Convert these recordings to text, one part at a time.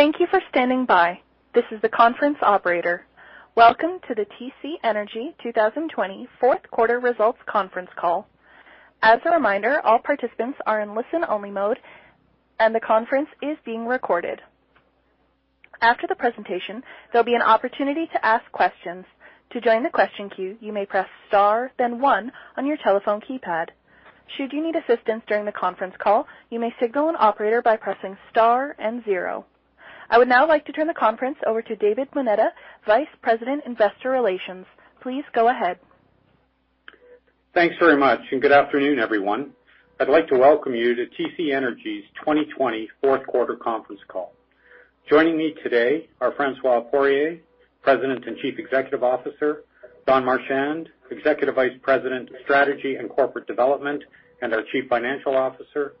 Thank you for standing by. This is the conference operator. Welcome to the TC Energy 2020 Q4 results conference call. As a reminder, all participants are in listen-only mode, and the conference is being recorded. After the presentation, there will be an opportunity to ask questions. To join the question queue, you may press star then one on your telephone keypad. Should you need assistance during the conference call, you may signal an operator by pressing star and zero. I would now like to turn the conference over to David Moneta, Vice President, Investor Relations. Please go ahead. Thanks very much, and good afternoon, everyone. I'd like to welcome you to TC Energy's 2020 Q4 conference call. Joining me today are François Poirier, President and Chief Executive Officer, Don Marchand, Executive Vice President of Strategy and Corporate Development, and our Chief Financial Officer,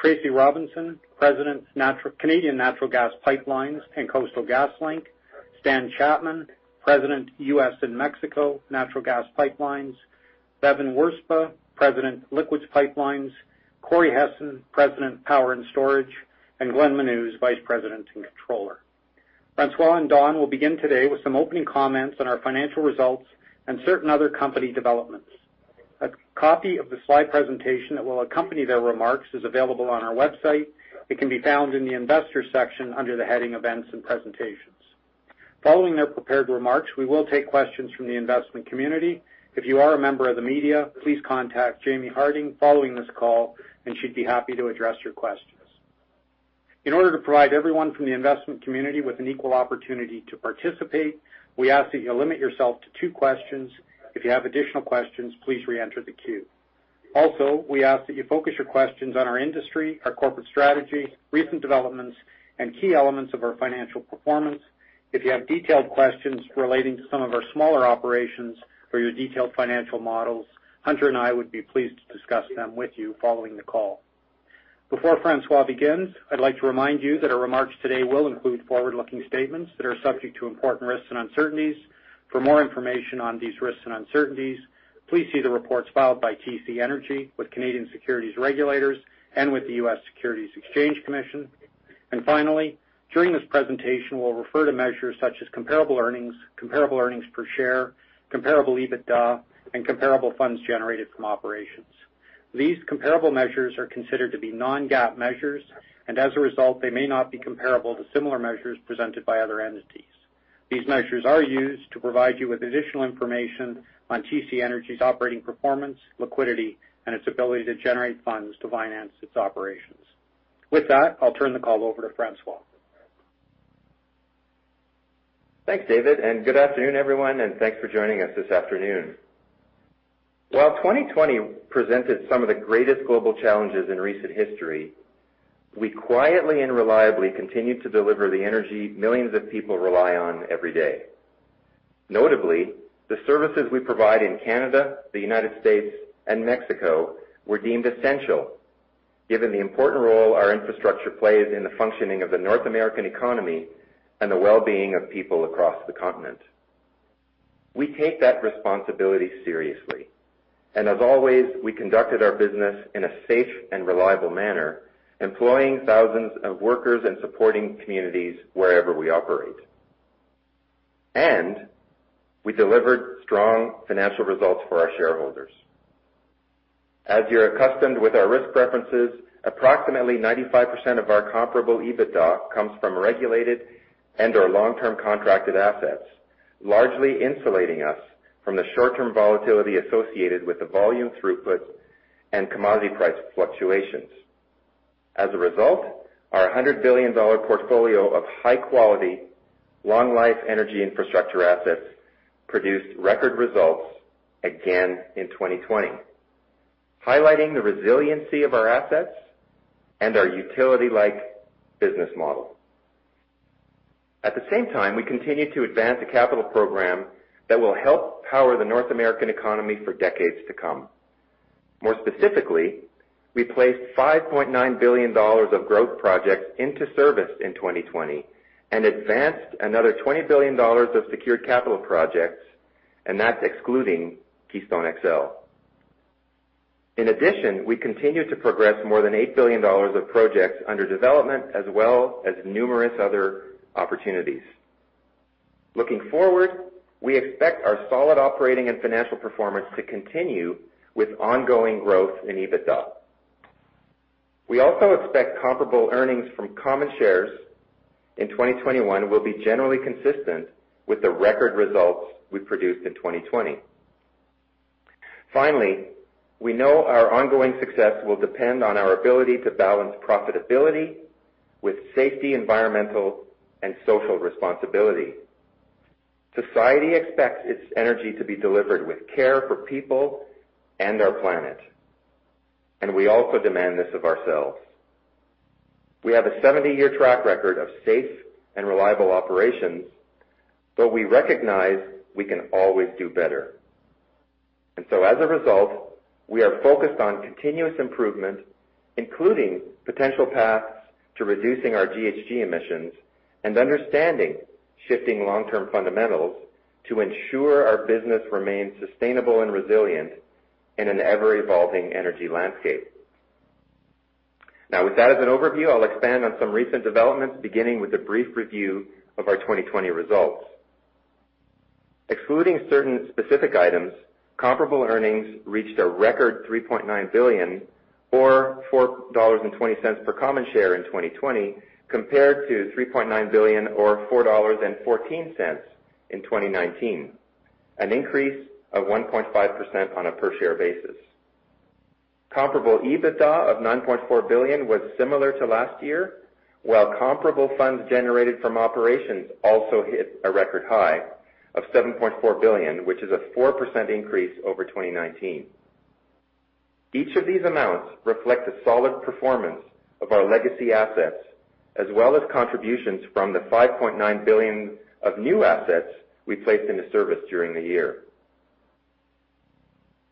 Tracy Robinson, President, Canadian Natural Gas Pipelines and Coastal GasLink, Stan Chapman, President, U.S. and Mexico Natural Gas Pipelines, Bevin Wirzba, President, Liquids Pipelines, Corey Hessen, President, Power and Storage, and Glenn Menuz, Vice President and Controller. François and Don will begin today with some opening comments on our financial results and certain other company developments. A copy of the slide presentation that will accompany their remarks is available on our website. It can be found in the Investors section under the heading Events and Presentations. Following their prepared remarks, we will take questions from the investment community. If you are a member of the media, please contact Jamie Harding following this call, and she'd be happy to address your questions. In order to provide everyone from the investment community with an equal opportunity to participate, we ask that you limit yourself to two questions. If you have additional questions, please re-enter the queue. We ask that you focus your questions on our industry, our corporate strategy, recent developments, and key elements of our financial performance. If you have detailed questions relating to some of our smaller operations or your detailed financial models, Hunter and I would be pleased to discuss them with you following the call. Before François begins, I'd like to remind you that our remarks today will include forward-looking statements that are subject to important risks and uncertainties. For more information on these risks and uncertainties, please see the reports filed by TC Energy with Canadian securities regulators and with the U.S. Securities and Exchange Commission. Finally, during this presentation, we'll refer to measures such as comparable earnings, comparable earnings per share, comparable EBITDA, and comparable funds generated from operations. These comparable measures are considered to be non-GAAP measures, and as a result, they may not be comparable to similar measures presented by other entities. These measures are used to provide you with additional information on TC Energy's operating performance, liquidity, and its ability to generate funds to finance its operations. With that, I'll turn the call over to François. Thanks, David. Good afternoon, everyone, and thanks for joining us this afternoon. While 2020 presented some of the greatest global challenges in recent history, we quietly and reliably continued to deliver the energy millions of people rely on every day. Notably, the services we provide in Canada, the United States, and Mexico were deemed essential given the important role our infrastructure plays in the functioning of the North American economy and the well-being of people across the continent. We take that responsibility seriously, and as always, we conducted our business in a safe and reliable manner, employing thousands of workers and supporting communities wherever we operate. We delivered strong financial results for our shareholders. As you're accustomed with our risk preferences, approximately 95% of our comparable EBITDA comes from regulated and/or long-term contracted assets, largely insulating us from the short-term volatility associated with the volume throughput and commodity price fluctuations. As a result, our 100 billion portfolio of high-quality, long-life energy infrastructure assets produced record results again in 2020, highlighting the resiliency of our assets and our utility-like business model. At the same time, we continued to advance a capital program that will help power the North American economy for decades to come. More specifically, we placed 5.9 billion dollars of growth projects into service in 2020 and advanced another 20 billion dollars of secured capital projects, and that's excluding Keystone XL. In addition, we continued to progress more than 8 billion dollars of projects under development, as well as numerous other opportunities. Looking forward, we expect our solid operating and financial performance to continue with ongoing growth in EBITDA. We also expect comparable earnings from common shares in 2021 will be generally consistent with the record results we produced in 2020. Finally, we know our ongoing success will depend on our ability to balance profitability with safety, environmental, and social responsibility. Society expects its energy to be delivered with care for people and our planet, and we also demand this of ourselves. We have a 70-year track record of safe and reliable operations, but we recognize we can always do better. As a result, we are focused on continuous improvement, including potential paths to reducing our GHG emissions and understanding shifting long-term fundamentals to ensure our business remains sustainable and resilient in an ever-evolving energy landscape. With that as an overview, I'll expand on some recent developments, beginning with a brief review of our 2020 results. Excluding certain specific items, comparable earnings reached a record 3.9 billion or 4.20 dollars per common share in 2020 compared to 3.9 billion or 4.14 dollars in 2019, an increase of 1.5% on a per-share basis. Comparable EBITDA of 9.4 billion was similar to last year, while comparable funds generated from operations also hit a record high of 7.4 billion, which is a 4% increase over 2019. Each of these amounts reflect the solid performance of our legacy assets, as well as contributions from the 5.9 billion of new assets we placed into service during the year.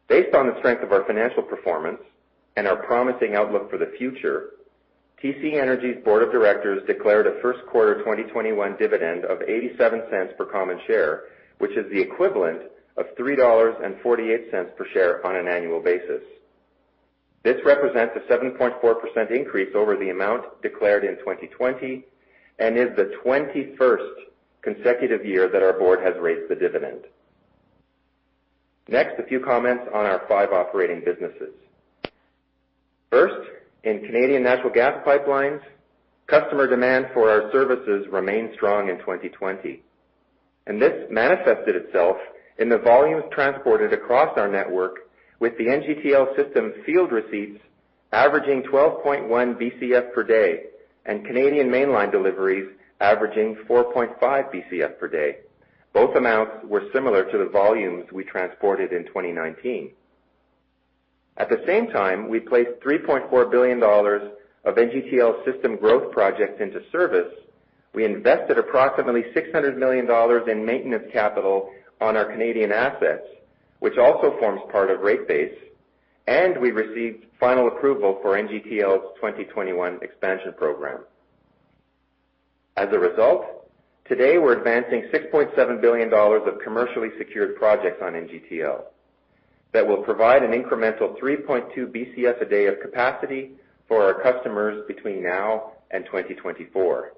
Based on the strength of our financial performance and our promising outlook for the future, TC Energy's Board of Directors declared a Q1 2021 dividend of 0.87 per common share, which is the equivalent of 3.48 dollars per share on an annual basis. This represents a 7.4% increase over the amount declared in 2020 and is the 21st consecutive year that our board has raised the dividend. Next, a few comments on our five operating businesses. First, in Canadian Natural Gas Pipelines, customer demand for our services remained strong in 2020. This manifested itself in the volumes transported across our network with the NGTL system field receipts averaging 12.1 Bcf per day and Canadian Mainline deliveries averaging 4.5 Bcf per day. Both amounts were similar to the volumes we transported in 2019. At the same time, we placed 3.4 billion dollars of NGTL system growth projects into service. We invested approximately 600 million dollars in maintenance capital on our Canadian assets, which also forms part of rate base. We received final approval for NGTL's 2021 expansion program. Today we're advancing 6.7 billion dollars of commercially secured projects on NGTL that will provide an incremental 3.2 Bcf a day of capacity for our customers between now and 2024.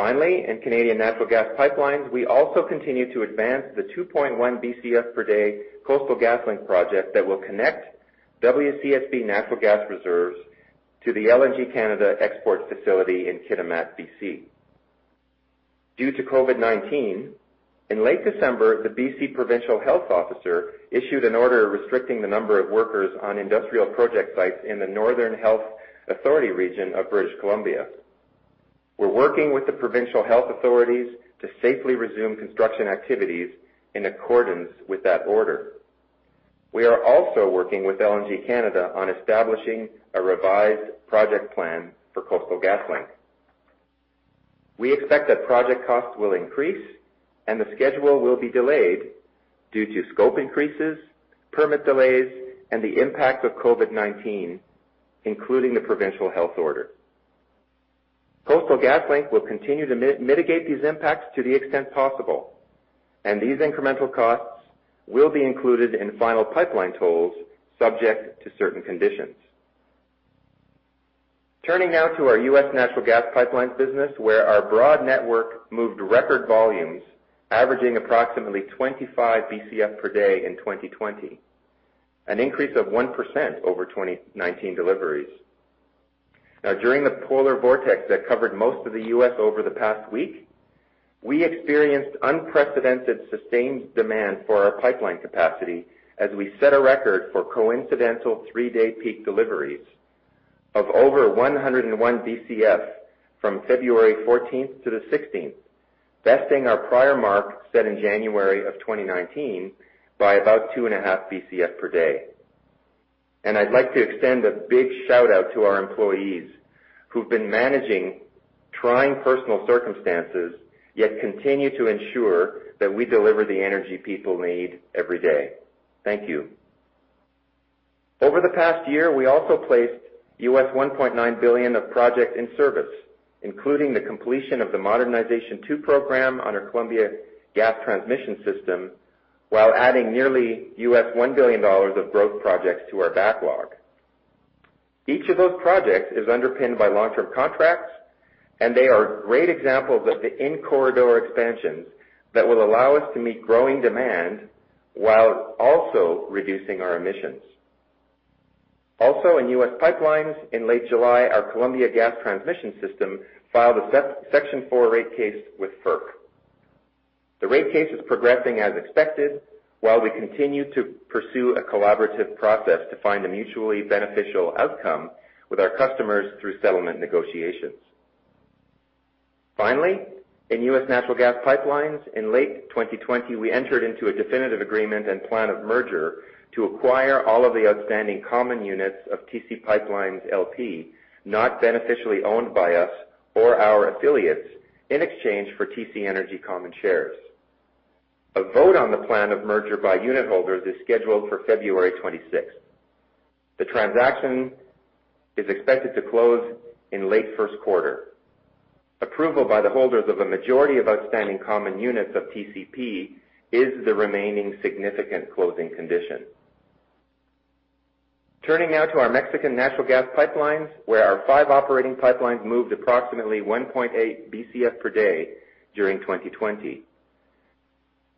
In Canadian Natural Gas Pipelines, we also continue to advance the 2.1 Bcf per day Coastal GasLink project that will connect WCSB natural gas reserves to the LNG Canada export facility in Kitimat, B.C. Due to COVID-19, in late December, the B.C. Provincial Health Officer issued an order restricting the number of workers on industrial project sites in the Northern Health Authority region of British Columbia. We're working with the provincial health authorities to safely resume construction activities in accordance with that order. We are also working with LNG Canada on establishing a revised project plan for Coastal GasLink. We expect that project costs will increase and the schedule will be delayed due to scope increases, permit delays, and the impact of COVID-19, including the provincial health order. Coastal GasLink will continue to mitigate these impacts to the extent possible. These incremental costs will be included in final pipeline tolls subject to certain conditions. Turning now to our U.S. Natural Gas Pipelines business, where our broad network moved record volumes averaging approximately 25 Bcf per day in 2020, an increase of 1% over 2019 deliveries. Now, during the polar vortex that covered most of the U.S. over the past week, we experienced unprecedented sustained demand for our pipeline capacity as we set a record for coincidental three-day peak deliveries of over 101 Bcf from February 14th to the 16th, besting our prior mark set in January of 2019 by about two and a half Bcf per day. I'd like to extend a big shout-out to our employees who've been managing trying personal circumstances, yet continue to ensure that we deliver the energy people need every day. Thank you. Over the past year, we also placed $1.9 billion of project in service, including the completion of the Modernization II program on our Columbia Gas Transmission system, while adding nearly $1 billion of growth projects to our backlog. Each of those projects is underpinned by long-term contracts, and they are great examples of the in-corridor expansions that will allow us to meet growing demand while also reducing our emissions. In U.S. Pipelines, in late July, our Columbia Gas Transmission system filed a Section IV rate case with FERC. The rate case is progressing as expected while we continue to pursue a collaborative process to find a mutually beneficial outcome with our customers through settlement negotiations. In U.S. Natural Gas Pipelines, in late 2020, we entered into a definitive agreement and plan of merger to acquire all of the outstanding common units of TC PipeLines, LP not beneficially owned by us or our affiliates in exchange for TC Energy common shares. A vote on the plan of merger by unitholders is scheduled for February 26th. The transaction is expected to close in late Q1. Approval by the holders of a majority of outstanding common units of TCP is the remaining significant closing condition. Turning now to our Mexican natural gas pipelines, where our five operating pipelines moved approximately 1.8 Bcf per day during 2020.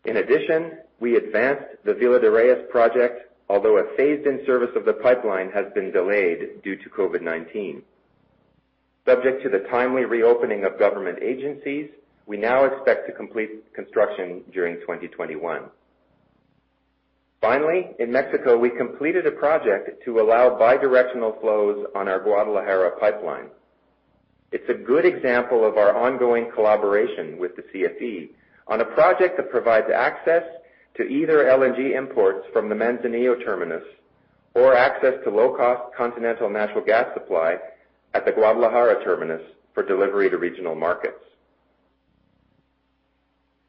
In addition, we advanced the Villa de Reyes project, although a phased in service of the pipeline has been delayed due to COVID-19. Subject to the timely reopening of government agencies, we now expect to complete construction during 2021. Finally, in Mexico, we completed a project to allow bi-directional flows on our Guadalajara pipeline. It's a good example of our ongoing collaboration with the CFE on a project that provides access to either LNG imports from the Manzanillo terminus, or access to low-cost continental natural gas supply at the Guadalajara terminus for delivery to regional markets.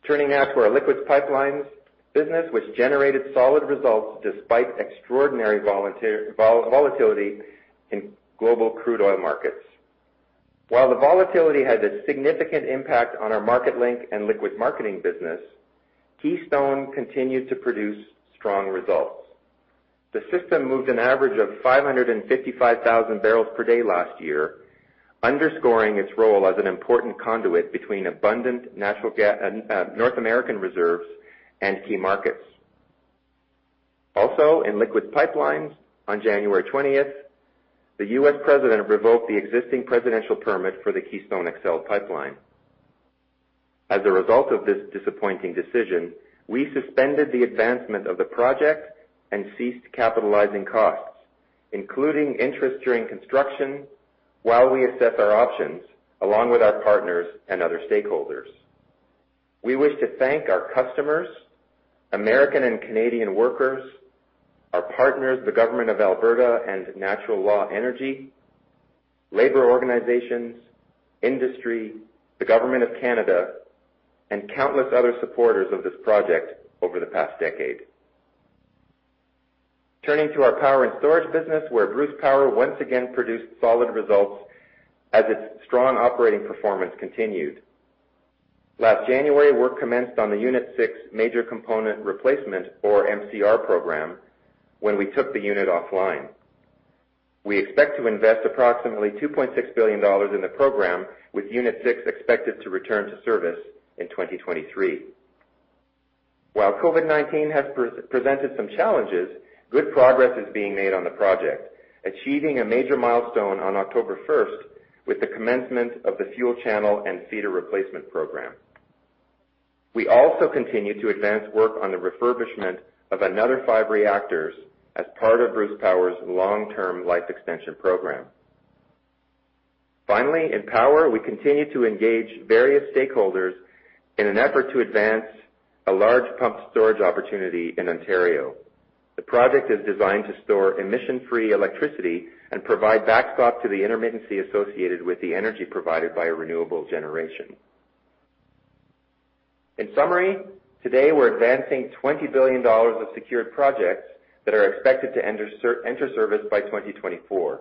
Turning now to our liquids pipelines business, which generated solid results despite extraordinary volatility in global crude oil markets. While the volatility had a significant impact on our Market-link and liquid marketing business, Keystone continued to produce strong results. The system moved an average of 555,000 barrels per day last year, underscoring its role as an important conduit between abundant North American reserves and key markets. Also, in liquid pipelines, on January 20th, the U.S. president revoked the existing presidential permit for the Keystone XL Pipeline. As a result of this disappointing decision, we suspended the advancement of the project and ceased capitalizing costs, including interest during construction, while we assess our options along with our partners and other stakeholders. We wish to thank our customers, American and Canadian workers, our partners, the government of Alberta and Natural Law Energy, labor organizations, industry, the government of Canada, and countless other supporters of this project over the past decade. Turning to our Power and Storage business, where Bruce Power once again produced solid results as its strong operating performance continued. Last January, work commenced on the Unit 6 Major Component Replacement, or MCR program when we took the unit offline. We expect to invest approximately 2.6 billion dollars in the program, with Unit six expected to return to service in 2023. While COVID-19 has presented some challenges, good progress is being made on the project, achieving a major milestone on October 1st with the commencement of the Fuel Channel and Feeder Replacement Program. We also continue to advance work on the refurbishment of another five reactors as part of Bruce Power's long-term life extension program. Finally, in power, we continue to engage various stakeholders in an effort to advance a large pumped storage opportunity in Ontario. The project is designed to store emission-free electricity and provide backstop to the intermittency associated with the energy provided by a renewable generation. In summary, today we're advancing 20 billion dollars of secured projects that are expected to enter service by 2024.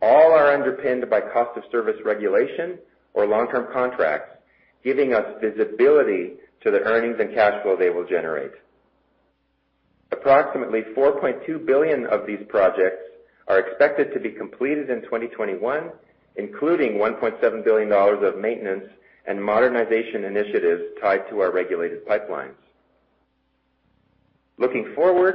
All are underpinned by cost of service regulation or long-term contracts, giving us visibility to the earnings and cash flow they will generate. Approximately 4.2 billion of these projects are expected to be completed in 2021, including 1.7 billion dollars of maintenance and modernization initiatives tied to our regulated pipelines. Looking forward,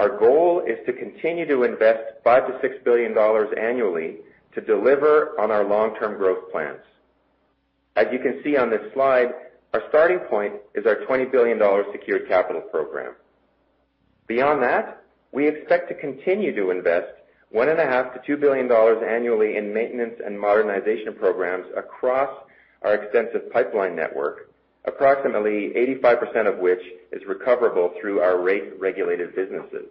our goal is to continue to invest 5-6 billion dollars annually to deliver on our long-term growth plans. As you can see on this slide, our starting point is our 20 billion dollar secured capital program. Beyond that, we expect to continue to invest 1.5-2 billion dollars annually in maintenance and modernization programs across our extensive pipeline network, approximately 85% of which is recoverable through our rate-regulated businesses.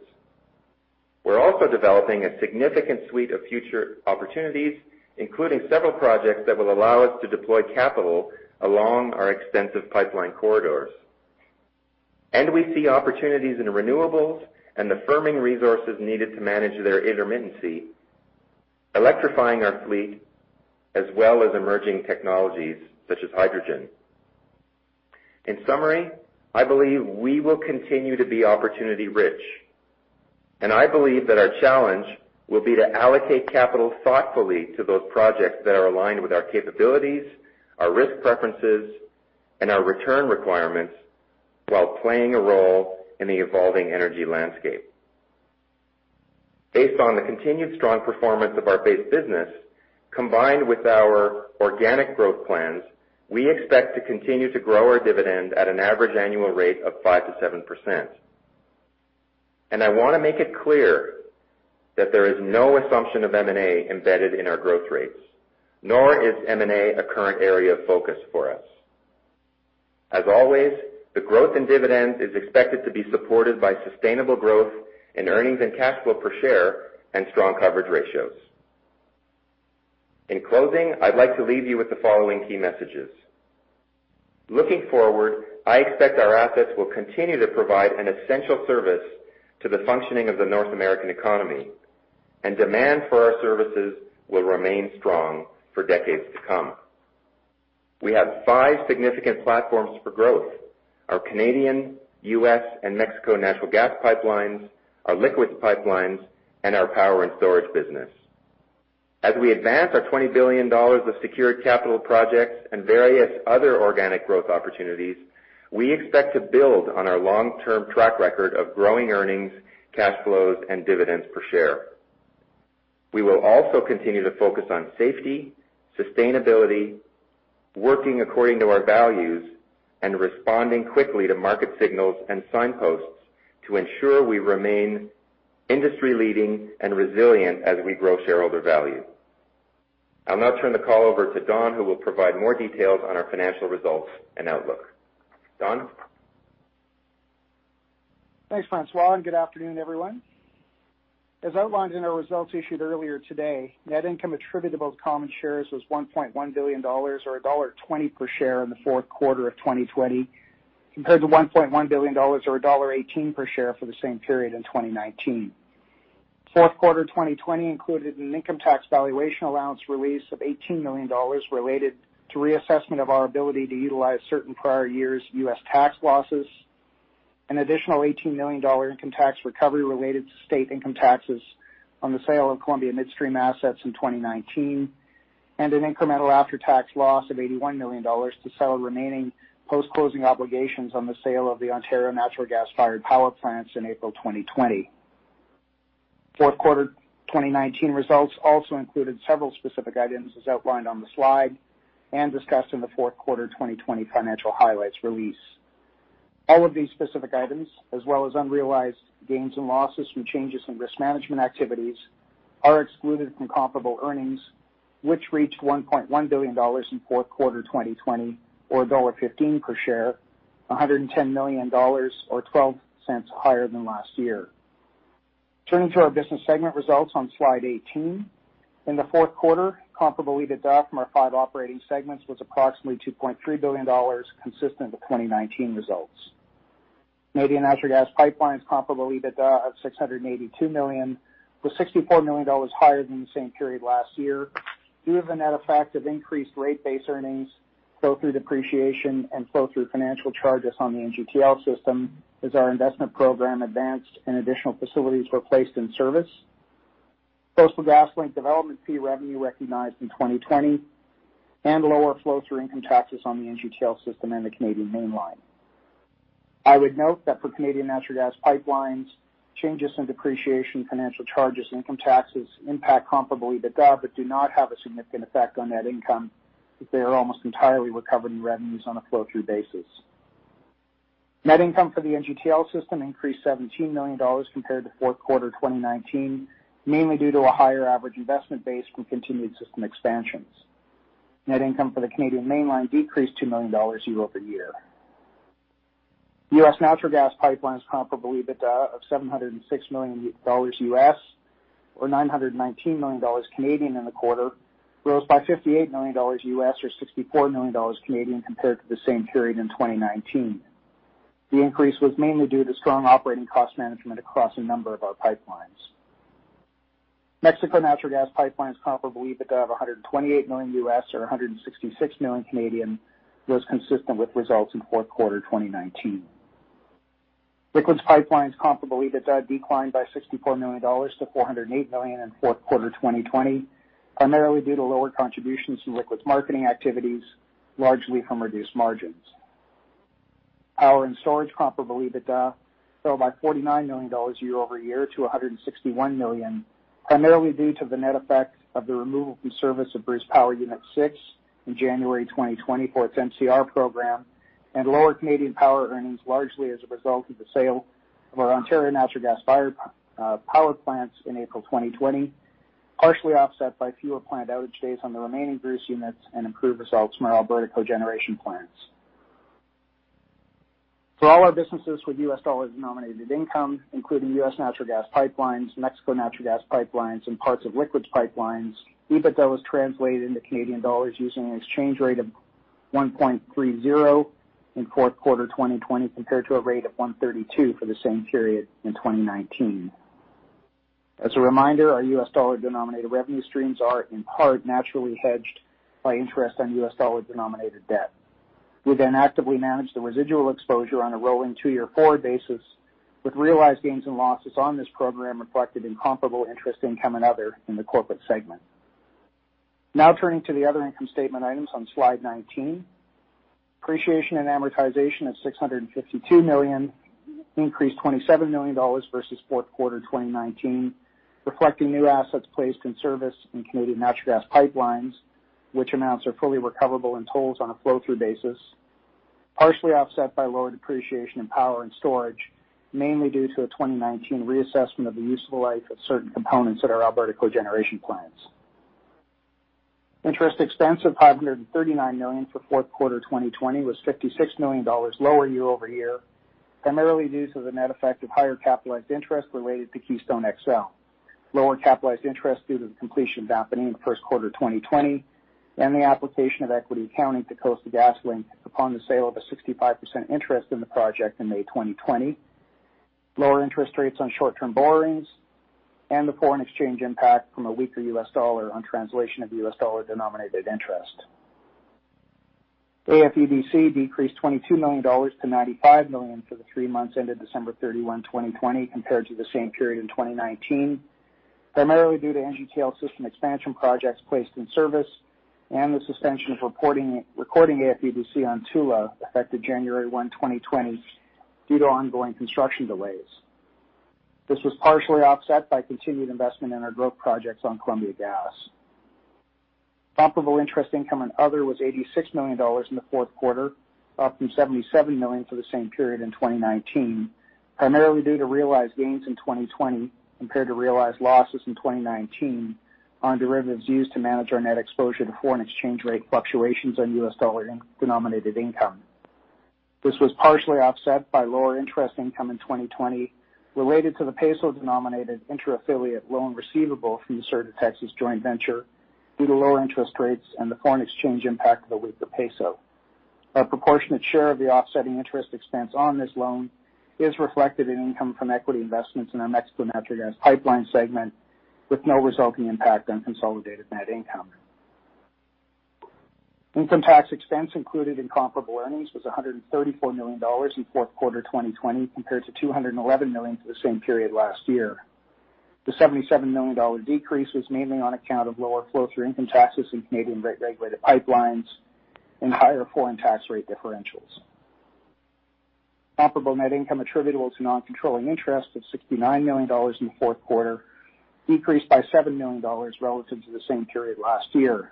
We see opportunities in renewables and the firming resources needed to manage their intermittency, electrifying our fleet, as well as emerging technologies such as hydrogen. In summary, I believe we will continue to be opportunity-rich, and I believe that our challenge will be to allocate capital thoughtfully to those projects that are aligned with our capabilities, our risk preferences, and our return requirements while playing a role in the evolving energy landscape. Based on the continued strong performance of our base business, combined with our organic growth plans, we expect to continue to grow our dividend at an average annual rate of 5%-7%. I want to make it clear that there is no assumption of M&A embedded in our growth rates, nor is M&A a current area of focus for us. As always, the growth in dividends is expected to be supported by sustainable growth in earnings and cash flow per share and strong coverage ratios. In closing, I'd like to leave you with the following key messages. Looking forward, I expect our assets will continue to provide an essential service to the functioning of the North American economy, and demand for our services will remain strong for decades to come. We have five significant platforms for growth: our Canadian, U.S., and Mexico natural gas pipelines, our liquids pipelines, and our power and storage business. As we advance our 20 billion dollars of secured capital projects and various other organic growth opportunities, we expect to build on our long-term track record of growing earnings, cash flows, and dividends per share. We will also continue to focus on safety, sustainability, working according to our values, and responding quickly to market signals and signposts to ensure we remain industry-leading and resilient as we grow shareholder value. I'll now turn the call over to Don, who will provide more details on our financial results and outlook. Don? Thanks, François, and good afternoon, everyone. As outlined in our results issued earlier today, net income attributable to common shares was 1.1 billion dollars, or dollar 1.20 per share in the Q4 of 2020, compared to 1.1 billion dollars, or dollar 1.18 per share for the same period in 2019. Q4 2020 included an income tax valuation allowance release of 18 million dollars related to reassessment of our ability to utilize certain prior years' U.S. tax losses, an additional 18 million dollar income tax recovery related to state income taxes on the sale of Columbia Midstream assets in 2019, and an incremental after-tax loss of 81 million dollars to settle remaining post-closing obligations on the sale of the Ontario natural gas-fired power plants in April 2020. Q4 2019 results also included several specific items as outlined on the slide and discussed in the Q4 2020 financial highlights release. All of these specific items, as well as unrealized gains and losses from changes in risk management activities, are excluded from comparable earnings, which reached 1.1 billion dollars in Q4 2020, or dollar 1.15 per share, 110 million dollars or 0.12 higher than last year. Turning to our business segment results on slide 18. In the Q4, comparable EBITDA from our five operating segments was approximately 2.3 billion dollars, consistent with 2019 results. Canadian natural gas pipelines comparable EBITDA of 682 million was 64 million dollars higher than the same period last year due to the net effect of increased rate base earnings, flow-through depreciation, and flow-through financial charges on the NGTL System as our investment program advanced and additional facilities were placed in service. Coastal GasLink development fee revenue recognized in 2020 and lower flow-through income taxes on the NGTL System and the Canadian Mainline. I would note that for Canadian natural gas pipelines, changes in depreciation, financial charges, and income taxes impact comparable EBITDA, but do not have a significant effect on net income, as they are almost entirely recovered in revenues on a flow-through basis. Net income for the NGTL System increased 17 million dollars compared to Q4 2019, mainly due to a higher average investment base from continued system expansions. Net income for the Canadian Mainline decreased 2 million dollars year-over-year. U.S. natural gas pipelines comparable EBITDA of $706 million U.S., or 919 million Canadian dollars in the quarter, rose by $58 million U.S. or 64 million Canadian dollars compared to the same period in 2019. The increase was mainly due to strong operating cost management across a number of our pipelines. Mexico natural gas pipelines comparable EBITDA of 128 million or 166 million was consistent with results in Q4 2019. Liquids pipelines comparable EBITDA declined by 64 million dollars to 408 million in Q4 2020, primarily due to lower contributions to liquids marketing activities, largely from reduced margins. Power and storage comparable EBITDA fell by 49 million dollars year-over-year to 161 million, primarily due to the net effect of the removal from service of Bruce Power Unit 6 in January 2020 for its MCR program and lower Canadian power earnings, largely as a result of the sale of our Ontario natural gas-fired power plants in April 2020, partially offset by fewer plant outage days on the remaining Bruce units and improved results from our Alberta cogeneration plants. For all our businesses with U.S. dollar-denominated income, including U.S. natural gas pipelines, Mexico natural gas pipelines, and parts of liquids pipelines, EBITDA was translated into Canadian dollars using an exchange rate of 1.30 in Q4 2020 compared to a rate of 1.32 for the same period in 2019. As a reminder, our U.S. dollar-denominated revenue streams are, in part, naturally hedged by interest on U.S. dollar-denominated debt. We then actively manage the residual exposure on a rolling two-year forward basis with realized gains and losses on this program reflected in comparable interest income and other in the corporate segment. Now turning to the other income statement items on slide 19. Depreciation and amortization of 652 million increased 27 million dollars versus Q4 2019, reflecting new assets placed in service in Canadian natural gas pipelines, which amounts are fully recoverable in tolls on a flow-through basis, partially offset by lower depreciation in power and storage, mainly due to a 2019 reassessment of the useful life of certain components at our Alberta cogeneration plants. Interest expense of 539 million for Q4 2020 was 56 million dollars lower year-over-year. Primarily due to the net effect of higher capitalized interest related to Keystone XL. Lower capitalized interest due to the completion of Appomattox in the Q1 of 2020, and the application of equity accounting to Coastal GasLink upon the sale of a 65% interest in the project in May 2020. Lower interest rates on short-term borrowings and the foreign exchange impact from a weaker U.S. dollar on translation of U.S. dollar-denominated interest. AFUDC decreased 22-95 million dollars for the three months ended December 31, 2020, compared to the same period in 2019, primarily due to NGTL system expansion projects placed in service and the suspension of recording AFUDC on Tula, effective January 1, 2020, due to ongoing construction delays. This was partially offset by continued investment in our growth projects on Columbia Gas. Comparable interest income and other was 86 million dollars in the Q4, up from 77 million for the same period in 2019, primarily due to realized gains in 2020 compared to realized losses in 2019 on derivatives used to manage our net exposure to foreign exchange rate fluctuations on U.S. dollar-denominated income. This was partially offset by lower interest income in 2020 related to the peso-denominated inter-affiliate loan receivable from the Sur de Texas joint venture due to lower interest rates and the foreign exchange impact of the weaker peso. Our proportionate share of the offsetting interest expense on this loan is reflected in income from equity investments in our Mexico natural gas pipeline segment, with no resulting impact on consolidated net income. Income tax expense included in comparable earnings was 134 million dollars in Q4 2020, compared to 211 million for the same period last year. The 77 million dollar decrease was mainly on account of lower flow-through income taxes in Canadian regulated pipelines and higher foreign tax rate differentials. Comparable net income attributable to non-controlling interest of 69 million dollars in the Q4 decreased by 7 million dollars relative to the same period last year.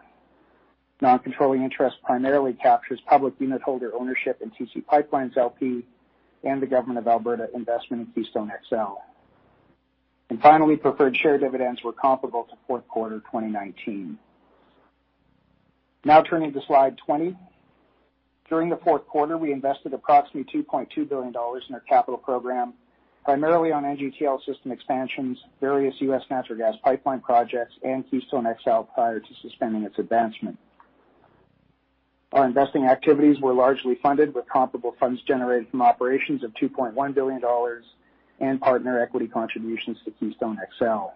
Non-controlling interest primarily captures public unitholder ownership in TC PipeLines, LP and the government of Alberta investment in Keystone XL. Finally, preferred share dividends were comparable to Q4 2019. Turning to slide 20. During the Q4, we invested approximately 2.2 billion dollars in our capital program, primarily on NGTL system expansions, various U.S. natural gas pipeline projects, and Keystone XL prior to suspending its advancement. Our investing activities were largely funded with comparable funds generated from operations of 2.1 billion dollars and partner equity contributions to Keystone XL.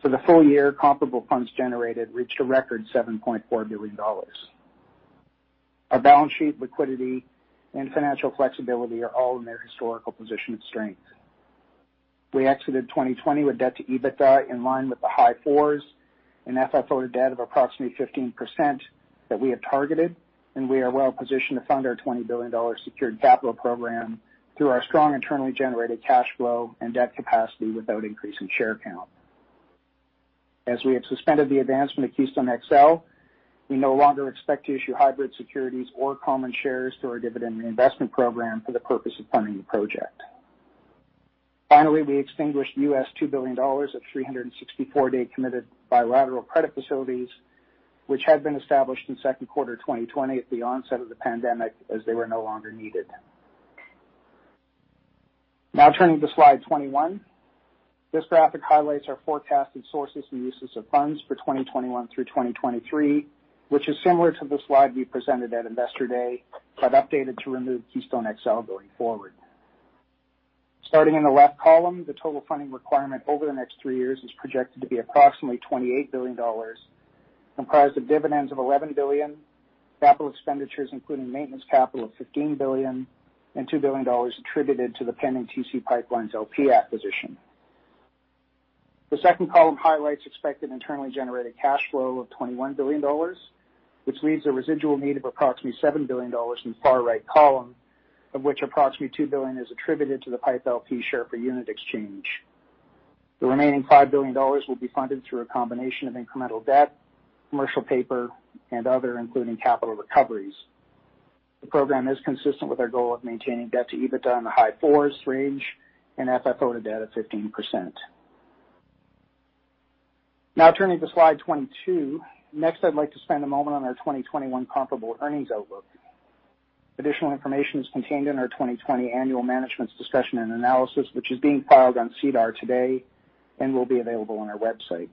For the full year, comparable funds generated reached a record 7.4 billion dollars. Our balance sheet liquidity and financial flexibility are all in their historical position of strength. We exited 2020 with debt to EBITDA in line with the high fours and FFO to debt of approximately 15% that we had targeted. We are well positioned to fund our 20 billion dollars secured capital program through our strong internally generated cash flow and debt capacity without increasing share count. As we have suspended the advancement of Keystone XL, we no longer expect to issue hybrid securities or common shares through our dividend and investment program for the purpose of funding the project. We extinguished 2 billion US dollars of 364-day committed bilateral credit facilities which had been established in Q2 2020 at the onset of the pandemic, as they were no longer needed. Turning to slide 21. This graphic highlights our forecasted sources and uses of funds for 2021 through 2023, which is similar to the slide we presented at Investor Day, but updated to remove Keystone XL going forward. Starting in the left column, the total funding requirement over the next three years is projected to be approximately 28 billion dollars, comprised of dividends of 11 billion, capital expenditures, including maintenance capital of 15 billion, and 2 billion dollars attributed to the pending TC PipeLines, LP acquisition. The second column highlights expected internally generated cash flow of 21 billion dollars, which leaves a residual need of approximately 7 billion dollars in the far-right column, of which approximately 2 billion is attributed to the Pipe LP share per unit exchange. The remaining 5 billion dollars will be funded through a combination of incremental debt, commercial paper, and other including capital recoveries. The program is consistent with our goal of maintaining debt to EBITDA in the high fours range and FFO to debt at 15%. Turning to slide 22. I'd like to spend a moment on our 2021 comparable earnings outlook. Additional information is contained in our 2020 annual management's discussion and analysis, which is being filed on SEDAR today and will be available on our website.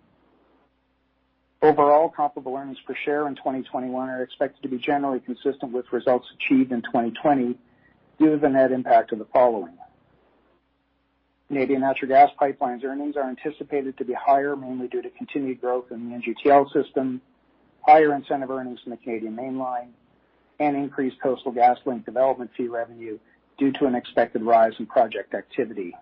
Comparable earnings per share in 2021 are expected to be generally consistent with results achieved in 2020 due to the net impact of the following. Canadian Natural Gas Pipelines earnings are anticipated to be higher, mainly due to continued growth in the NGTL System, higher incentive earnings in the Canadian Mainline, and increased Coastal GasLink development fee revenue due to an expected rise in project activity.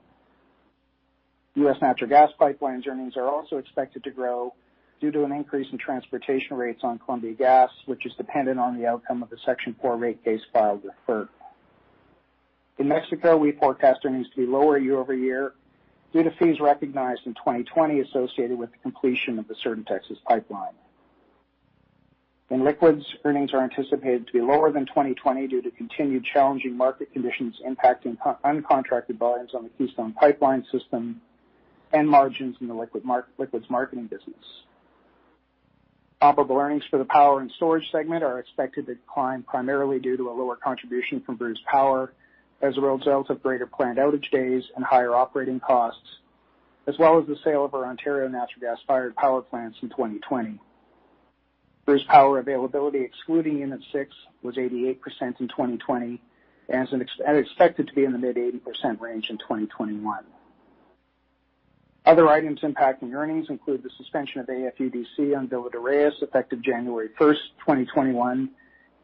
U.S. natural gas pipelines earnings are also expected to grow due to an increase in transportation rates on Columbia Gas, which is dependent on the outcome of the Section IV rate case filed with FERC. In Mexico, we forecast earnings to be lower year-over-year due to fees recognized in 2020 associated with the completion of the Sur de Texas pipeline. In liquids, earnings are anticipated to be lower than 2020 due to continued challenging market conditions impacting uncontracted volumes on the Keystone Pipeline System and margins in the liquids marketing business. Operable earnings for the power and storage segment are expected to decline primarily due to a lower contribution from Bruce Power, as a result of greater planned outage days and higher operating costs, as well as the sale of our Ontario natural gas-fired power plants in 2020. Bruce Power availability, excluding Unit 6, was 88% in 2020, and expected to be in the mid-80% range in 2021. Other items impacting earnings include the suspension of AFUDC on Villa de Reyes effective January 1st, 2021,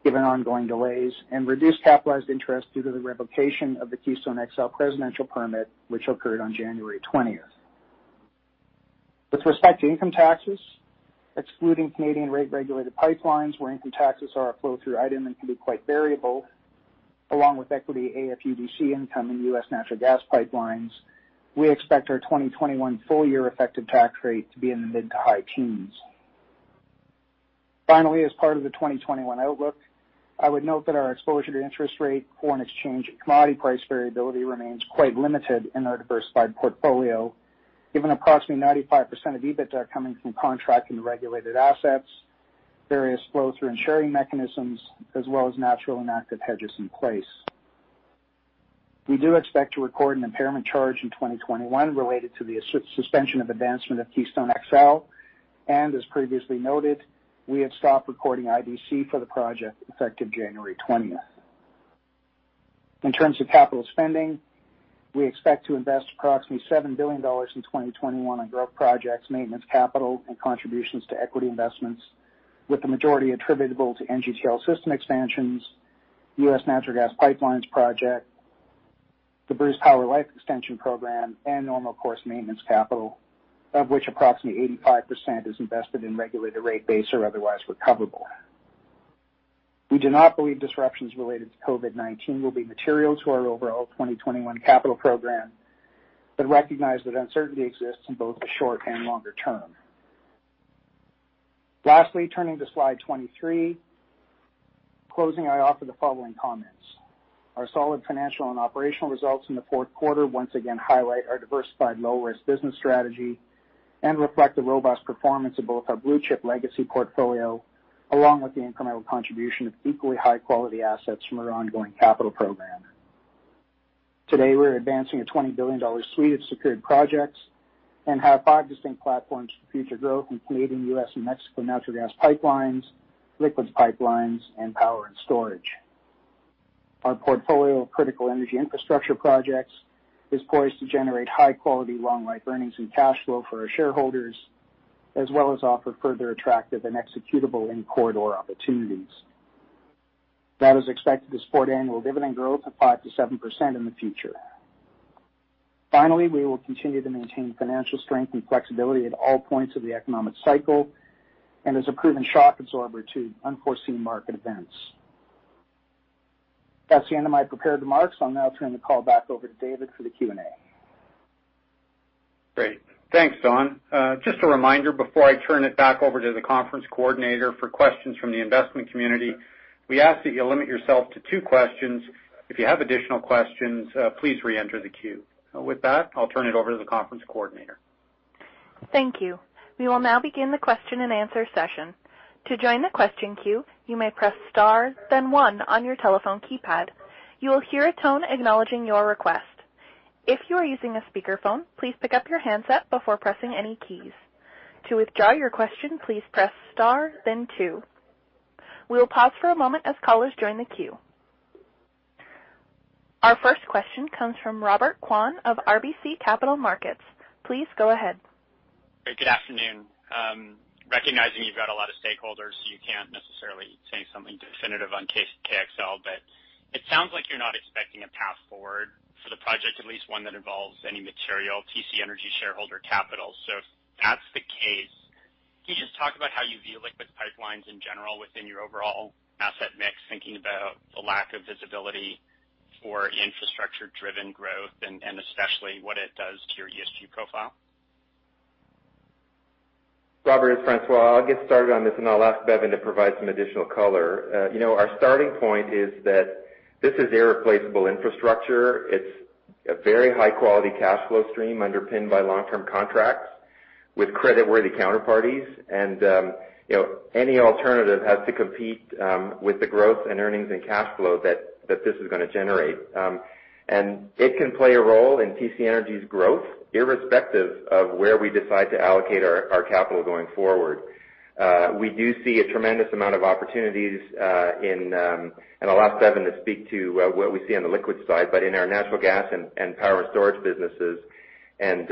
given ongoing delays, and reduced capitalized interest due to the revocation of the Keystone XL presidential permit, which occurred on January 20th. With respect to income taxes, excluding Canadian rate-regulated pipelines where income taxes are a flow-through item and can be quite variable, along with equity AFUDC income in U.S. natural gas pipelines, we expect our 2021 full-year effective tax rate to be in the mid to high teens. Finally, as part of the 2021 outlook, I would note that our exposure to interest rate, foreign exchange, and commodity price variability remains quite limited in our diversified portfolio, given approximately 95% of EBITDA coming from contract and regulated assets, various flow-through and sharing mechanisms, as well as natural and active hedges in place. As previously noted, we have stopped recording IDC for the project effective January 20th. In terms of capital spending, we expect to invest approximately 7 billion dollars in 2021 on growth projects, maintenance capital, and contributions to equity investments, with the majority attributable to NGTL system expansions, U.S. natural gas pipelines project, the Bruce Power life extension program, and normal course maintenance capital, of which approximately 85% is invested in regulated rate base or otherwise recoverable. We do not believe disruptions related to COVID-19 will be material to our overall 2021 capital program, but recognize that uncertainty exists in both the short and longer term. Lastly, turning to slide 23, in closing, I offer the following comments. Our solid financial and operational results in the Q4 once again highlight our diversified low-risk business strategy and reflect the robust performance of both our blue-chip legacy portfolio, along with the incremental contribution of equally high-quality assets from our ongoing capital program. Today, we are advancing a 20 billion dollar suite of secured projects and have five distinct platforms for future growth in Canadian, U.S., and Mexican natural gas pipelines, liquids pipelines, and power and storage. Our portfolio of critical energy infrastructure projects is poised to generate high-quality, long-life earnings and cash flow for our shareholders, as well as offer further attractive and executable in-corridor opportunities. Expected to support annual dividend growth of 5%-7% in the future. We will continue to maintain financial strength and flexibility at all points of the economic cycle, and as a proven shock absorber to unforeseen market events. The end of my prepared remarks. I'll now turn the call back over to David for the Q&A. Great. Thanks, Don. Just a reminder, before I turn it back over to the conference coordinator for questions from the investment community, we ask that you limit yourself to two questions. If you have additional questions, please re-enter the queue. With that, I'll turn it over to the conference coordinator. Thank you. We will now begin the question-and-answer session. To join the question queue, you may press star, then one on your telephone keypad. You will hear a tone acknowledging your request. If you are using a speakerphone, please pick up your handset before pressing any keys. To withdraw your question, please press star, then two. We will pause for a moment as callers join the queue. Our first question comes from Robert Kwan of RBC Capital Markets. Please go ahead. Good afternoon. Recognizing you've got a lot of stakeholders, you can't necessarily say something definitive on KXL, but it sounds like you're not expecting a path forward for the project, at least one that involves any material TC Energy shareholder capital. If that's the case, can you just talk about how you view liquids pipelines in general within your overall asset mix, thinking about the lack of visibility for infrastructure-driven growth and especially what it does to your ESG profile? Robert, it's François. I'll get started on this. I'll ask Bevin to provide some additional color. Our starting point is that this is irreplaceable infrastructure. It's a very high-quality cash flow stream underpinned by long-term contracts with creditworthy counterparties. Any alternative has to compete with the growth and earnings and cash flow that this is going to generate. It can play a role in TC Energy's growth irrespective of where we decide to allocate our capital going forward. I'll ask Bevin to speak to what we see on the liquids side, but in our natural gas and power and storage businesses, and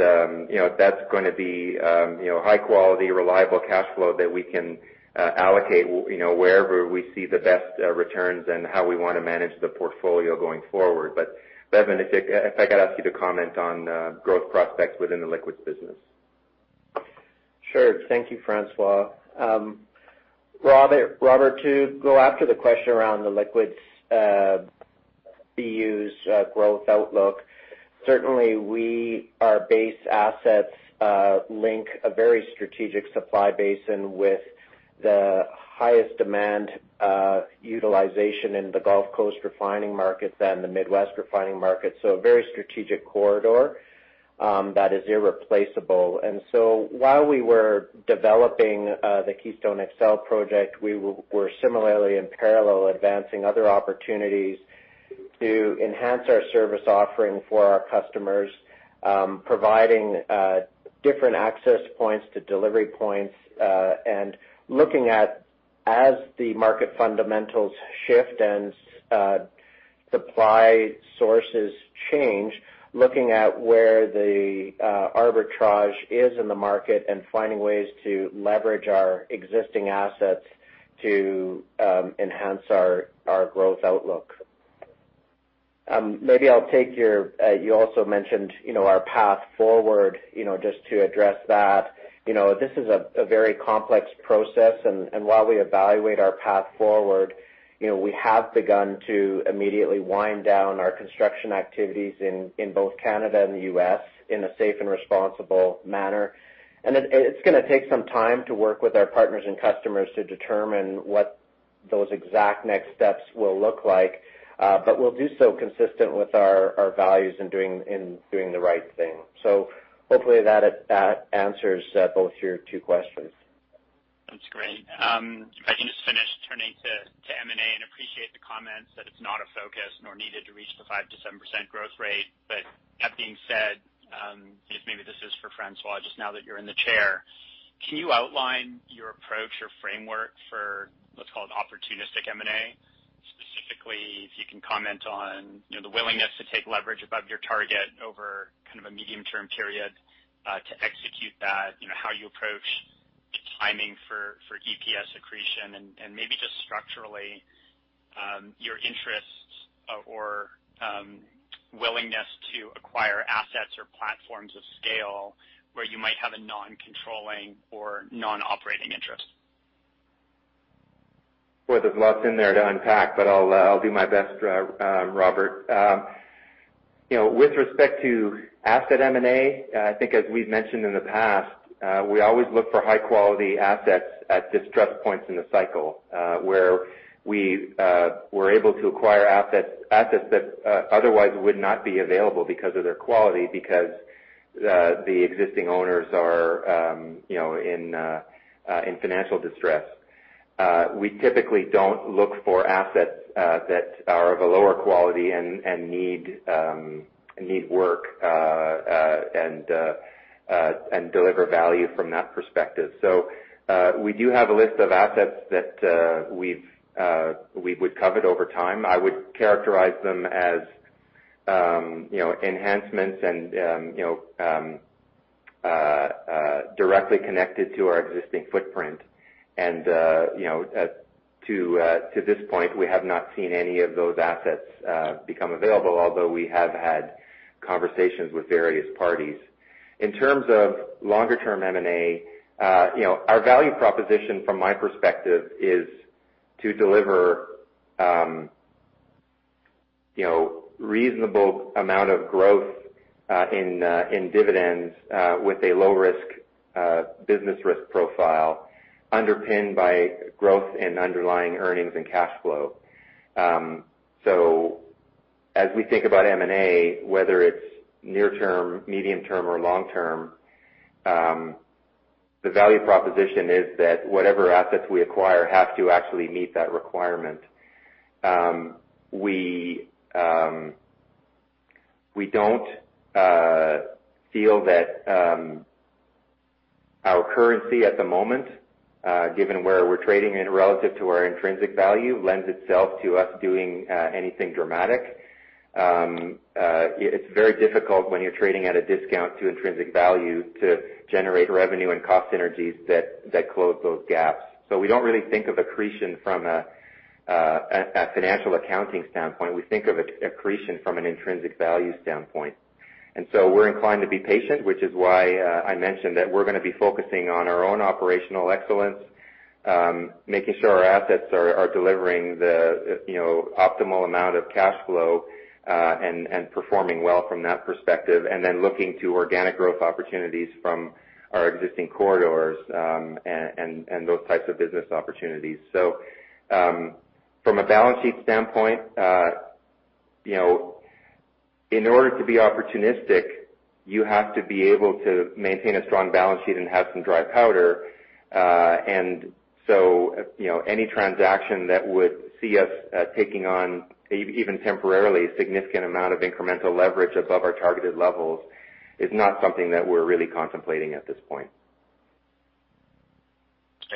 that's going to be high-quality, reliable cash flow that we can allocate wherever we see the best returns and how we want to manage the portfolio going forward. Bevin, if I could ask you to comment on growth prospects within the liquids business. Sure. Thank you, François. Robert, to go after the question around the liquids BU's growth outlook, certainly our base assets link a very strategic supply basin with the highest demand utilization in the Gulf Coast refining markets and the Midwest refining markets. A very strategic corridor that is irreplaceable. While we were developing the Keystone XL project, we were similarly in parallel advancing other opportunities to enhance our service offering for our customers, providing different access points to delivery points, and looking at, as the market fundamentals shift and supply sources change, looking at where the arbitrage is in the market and finding ways to leverage our existing assets to enhance our growth outlook. You also mentioned our path forward, just to address that. This is a very complex process, and while we evaluate our path forward, we have begun to immediately wind down our construction activities in both Canada and the U.S. in a safe and responsible manner. It's going to take some time to work with our partners and customers to determine what those exact next steps will look like. We'll do so consistent with our values in doing the right thing. Hopefully that answers both your two questions. That's great. If I can just finish turning to M&A, and appreciate the comments that it's not a focus nor needed to reach the 5%-7% growth rate. That being said, I guess maybe this is for François, just now that you're in the chair. Can you outline your approach or framework for let's call it opportunistic M&A? Specifically, if you can comment on the willingness to take leverage above your target over a medium-term period to execute that, how you approach the timing for EPS accretion and maybe just structurally, your interests or willingness to acquire assets or platforms of scale where you might have a non-controlling or non-operating interest. Boy, there's lots in there to unpack, but I'll do my best, Robert. With respect to asset M&A, I think as we've mentioned in the past, we always look for high-quality assets at distress points in the cycle, where we were able to acquire assets that otherwise would not be available because of their quality because the existing owners are in financial distress. We typically don't look for assets that are of a lower quality and need work and deliver value from that perspective. We do have a list of assets that we would covet over time. I would characterize them as enhancements and directly connected to our existing footprint. To this point, we have not seen any of those assets become available, although we have had conversations with various parties. In terms of longer-term M&A, our value proposition from my perspective is to deliver reasonable amount of growth in dividends with a low business risk profile underpinned by growth in underlying earnings and cash flow. As we think about M&A, whether it's near-term, medium-term, or long-term, the value proposition is that whatever assets we acquire have to actually meet that requirement. We don't feel that our currency at the moment given where we're trading in relative to our intrinsic value lends itself to us doing anything dramatic. It's very difficult when you're trading at a discount to intrinsic value to generate revenue and cost synergies that close those gaps. We don't really think of accretion from a financial accounting standpoint. We think of accretion from an intrinsic value standpoint. We're inclined to be patient, which is why I mentioned that we're going to be focusing on our own operational excellence, making sure our assets are delivering the optimal amount of cash flow, and performing well from that perspective, and then looking to organic growth opportunities from our existing corridors, and those types of business opportunities. From a balance sheet standpoint, in order to be opportunistic, you have to be able to maintain a strong balance sheet and have some dry powder. Any transaction that would see us taking on, even temporarily, a significant amount of incremental leverage above our targeted levels is not something that we're really contemplating at this point.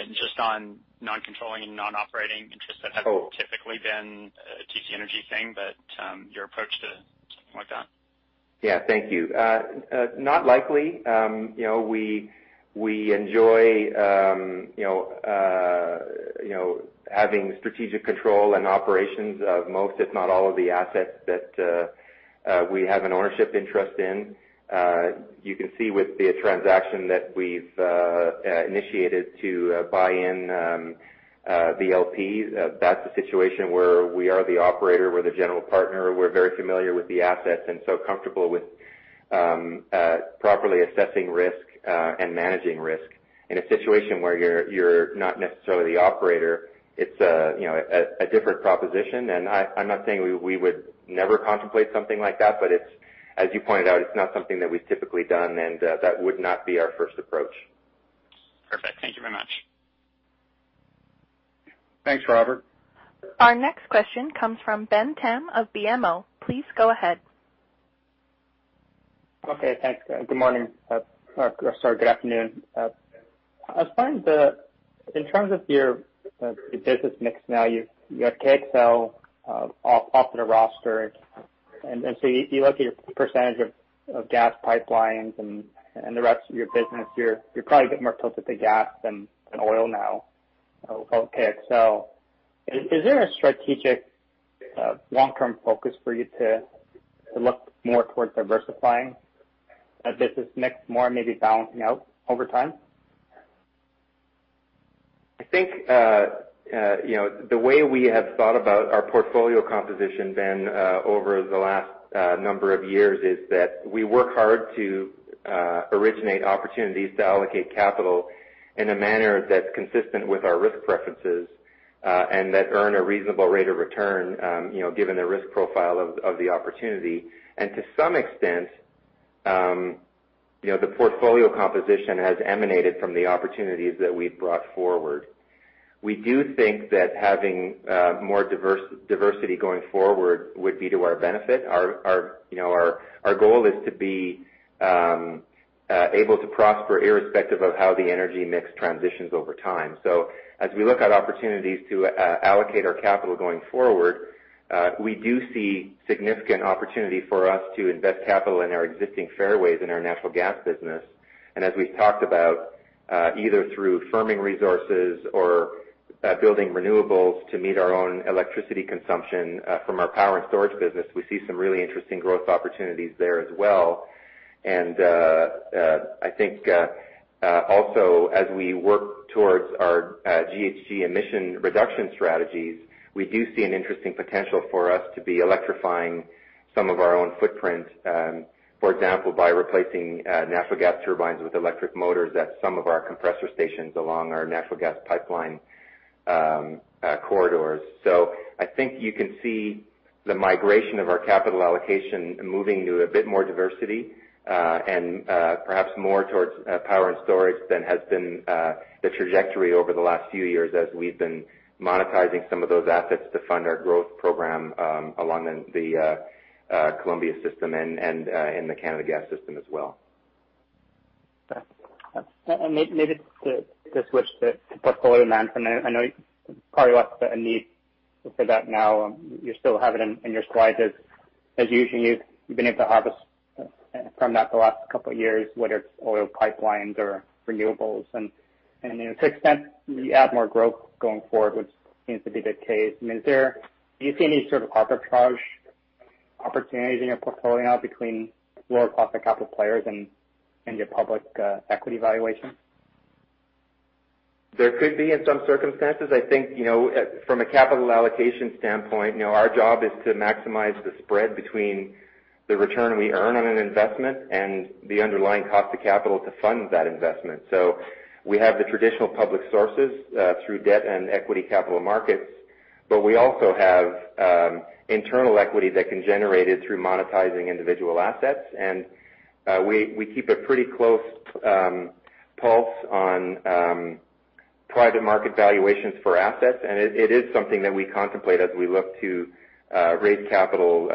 Just on non-controlling and non-operating interests that haven't typically been a TC Energy thing, but your approach to something like that. Yeah. Thank you. Not likely. We enjoy having strategic control and operations of most, if not all of the assets that we have an ownership interest in. You can see with the transaction that we've initiated to buy in VLP, that's a situation where we are the operator, we're the general partner, we're very familiar with the assets and so comfortable with properly assessing risk and managing risk. In a situation where you're not necessarily the operator, it's a different proposition. I'm not saying we would never contemplate something like that, but as you pointed out, it's not something that we've typically done, and that would not be our first approach. Perfect. Thank you very much. Thanks, Robert. Our next question comes from Ben Pham of BMO. Please go ahead. Okay. Thanks. Good morning. Sorry. Good afternoon. In terms of your business mix now, you have KXL off of the roster, and so you look at your percentage of gas pipelines and the rest of your business, you're probably a bit more tilted to gas than oil now, without KXL. Is there a strategic long-term focus for you to look more towards diversifying the business mix more and maybe balancing out over time? I think, the way we have thought about our portfolio composition, Ben, over the last number of years is that we work hard to originate opportunities to allocate capital in a manner that's consistent with our risk preferences, and that earn a reasonable rate of return, given the risk profile of the opportunity. To some extent, the portfolio composition has emanated from the opportunities that we've brought forward. We do think that having more diversity going forward would be to our benefit. Our goal is to be able to prosper irrespective of how the energy mix transitions over time. As we look at opportunities to allocate our capital going forward, we do see significant opportunity for us to invest capital in our existing fairways in our natural gas business. As we've talked about, either through firming resources or building renewables to meet our own electricity consumption from our Power and Storage business, we see some really interesting growth opportunities there as well. I think also as we work towards our GHG emission reduction strategies, we do see an interesting potential for us to be electrifying some of our own footprint, for example, by replacing natural gas turbines with electric motors at some of our compressor stations along our natural gas pipeline corridors. I think you can see the migration of our capital allocation moving to a bit more diversity, and perhaps more towards Power and Storage than has been the trajectory over the last few years as we've been monetizing some of those assets to fund our growth program along the Columbia system and the Canada Gas system as well. Maybe to switch to portfolio management. I know probably less of a need for that now. You still have it in your slides as usually you've been able to harvest from that the last couple of years, whether it's oil pipelines or renewables. To an extent, you add more growth going forward, which seems to be the case. Do you see any sort of arbitrage opportunities in your portfolio between lower cost of capital players and your public equity valuation? There could be in some circumstances. I think, from a capital allocation standpoint, our job is to maximize the spread between the return we earn on an investment and the underlying cost of capital to fund that investment. We have the traditional public sources through debt and equity capital markets, but we also have internal equity that can generate it through monetizing individual assets. We keep a pretty close pulse on private market valuations for assets, and it is something that we contemplate as we look to raise capital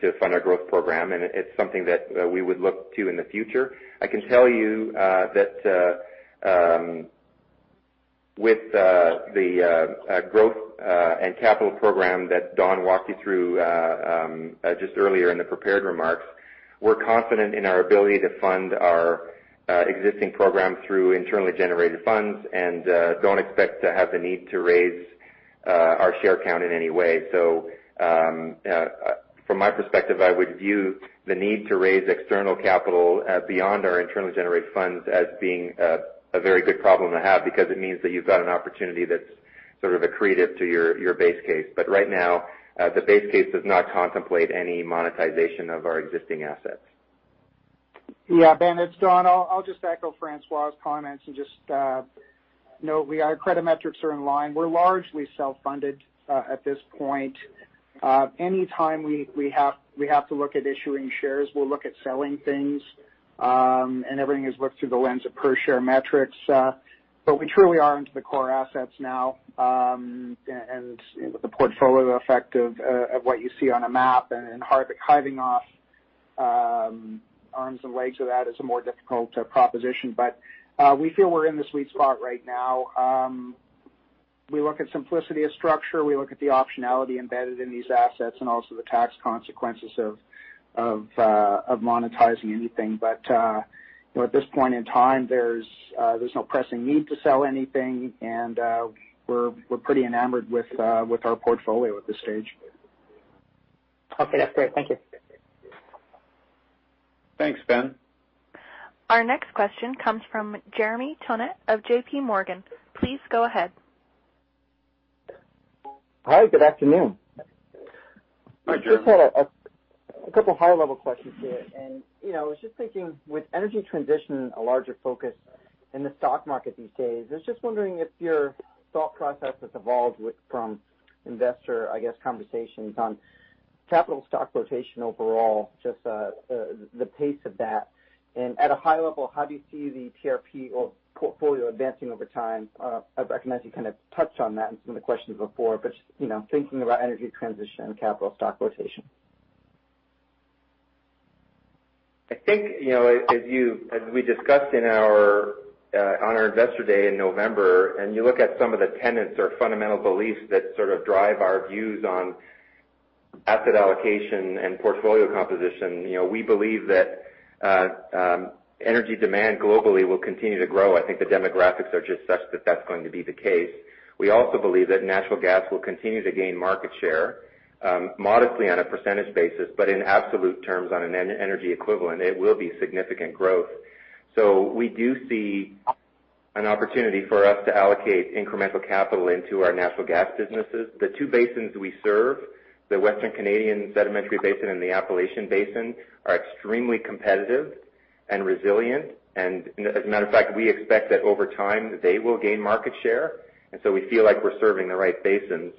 to fund our growth program, and it's something that we would look to in the future. I can tell you that with the growth and capital program that Don walked you through just earlier in the prepared remarks, we're confident in our ability to fund our existing program through internally generated funds and don't expect to have the need to raise our share count in any way. From my perspective, I would view the need to raise external capital beyond our internally generated funds as being a very good problem to have, because it means that you've got an opportunity that's sort of accretive to your base case. Right now, the base case does not contemplate any monetization of our existing assets. Ben, it's Don. I'll just echo François' comments and just note our credit metrics are in line. We're largely self-funded at this point. Any time we have to look at issuing shares, we'll look at selling things. Everything is looked through the lens of per-share metrics. We truly are into the core assets now. The portfolio effect of what you see on a map and hiving off arms and legs of that is a more difficult proposition. We feel we're in the sweet spot right now. We look at simplicity of structure. We look at the optionality embedded in these assets and also the tax consequences of monetizing anything. At this point in time, there's no pressing need to sell anything, and we're pretty enamored with our portfolio at this stage. Okay. That's great. Thank you. Thanks, Ben. Our next question comes from Jeremy Tonet of J.P. Morgan. Please go ahead. Hi. Good afternoon. Hi, Jeremy. Just had a couple high-level questions here. I was just thinking, with energy transition a larger focus in the stock market these days, I was just wondering if your thought process has evolved from investor conversations on capital stock rotation overall, just the pace of that. At a high level, how do you see the TRP or portfolio advancing over time? I recognize you kind of touched on that in some of the questions before, but just thinking about energy transition and capital stock rotation. I think, as we discussed on our investor day in November, you look at some of the tenets or fundamental beliefs that sort of drive our views on asset allocation and portfolio composition, we believe that energy demand globally will continue to grow. I think the demographics are just such that that's going to be the case. We also believe that natural gas will continue to gain market share, modestly on a percentage basis, in absolute terms, on an energy equivalent, it will be significant growth. We do see an opportunity for us to allocate incremental capital into our natural gas businesses. The two basins we serve, the Western Canadian Sedimentary Basin and the Appalachian Basin, are extremely competitive and resilient. As a matter of fact, we expect that over time they will gain market share, we feel like we're serving the right basins.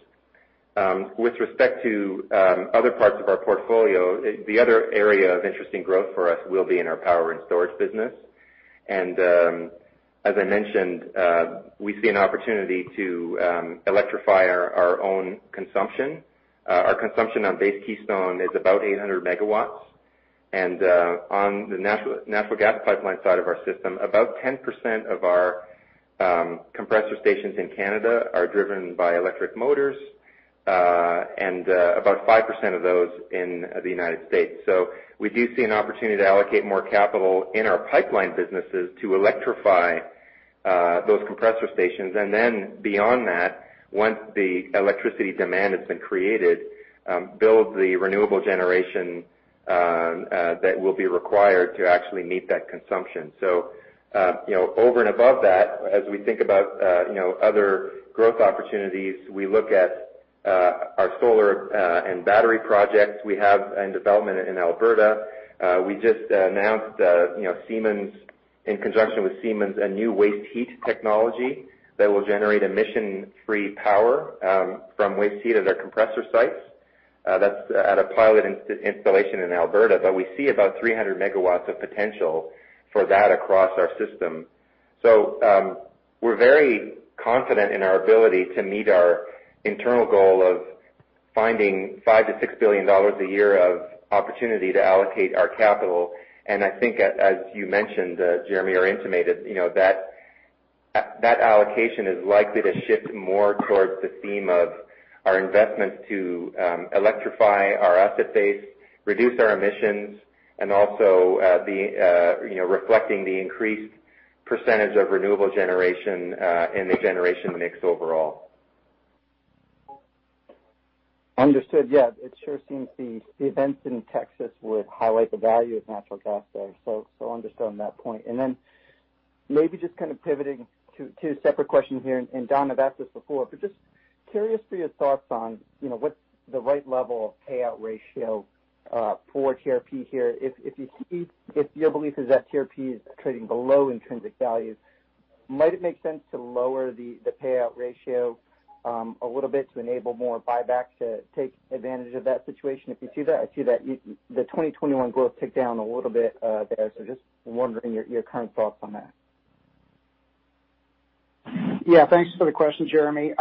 With respect to other parts of our portfolio, the other area of interesting growth for us will be in our Power and Storage business. As I mentioned, we see an opportunity to electrify our own consumption. Our consumption on base Keystone is about 800 MW, and on the natural gas pipeline side of our system, about 10% of our compressor stations in Canada are driven by electric motors, and about 5% of those in the U.S. We do see an opportunity to allocate more capital in our pipeline businesses to electrify those compressor stations. Beyond that, once the electricity demand has been created, build the renewable generation that will be required to actually meet that consumption. Over and above that, as we think about other growth opportunities, we look at our solar and battery projects we have in development in Alberta. We just announced, in conjunction with Siemens, a new waste heat technology that will generate emission-free power from waste heat at our compressor sites. That's at a pilot installation in Alberta. We see about 300 MW of potential for that across our system. We're very confident in our ability to meet our internal goal of finding 5-6 billion dollars a year of opportunity to allocate our capital. I think, as you mentioned, Jeremy, or intimated, that allocation is likely to shift more towards the theme of our investments to electrify our asset base, reduce our emissions, and also reflecting the increased percentage of renewable generation in the generation mix overall. Understood. Yeah. It sure seems the events in Texas would highlight the value of natural gas there. Understood on that point. Maybe just kind of pivoting to two separate questions here, and Don, I've asked this before, but just curious for your thoughts on what's the right level of payout ratio for TRP here. If your belief is that TRP is trading below intrinsic value, might it make sense to lower the payout ratio a little bit to enable more buybacks to take advantage of that situation if you see that? I see that the 2021 growth ticked down a little bit there. Just wondering your current thoughts on that. Thanks for the question, Jeremy.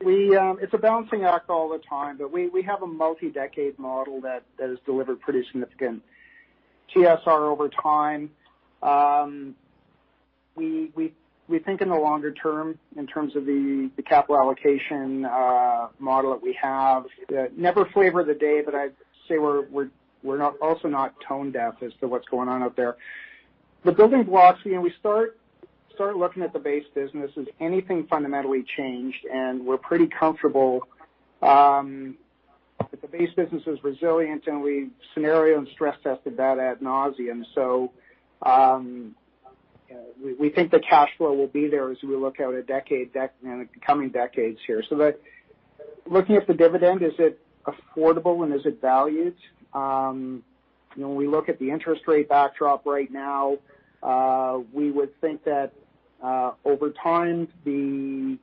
It's a balancing act all the time. We have a multi-decade model that has delivered pretty significant TSR over time. We think in the longer term in terms of the capital allocation model that we have. Never flavor of the day. I'd say we're also not tone-deaf as to what's going on out there. The building blocks, we start looking at the base business. Has anything fundamentally changed? We're pretty comfortable that the base business is resilient, and we scenario and stress test the data ad nauseam. We think the cash flow will be there as we look out at coming decades here. Looking at the dividend, is it affordable and is it valued? When we look at the interest rate backdrop right now, we would think that over time, the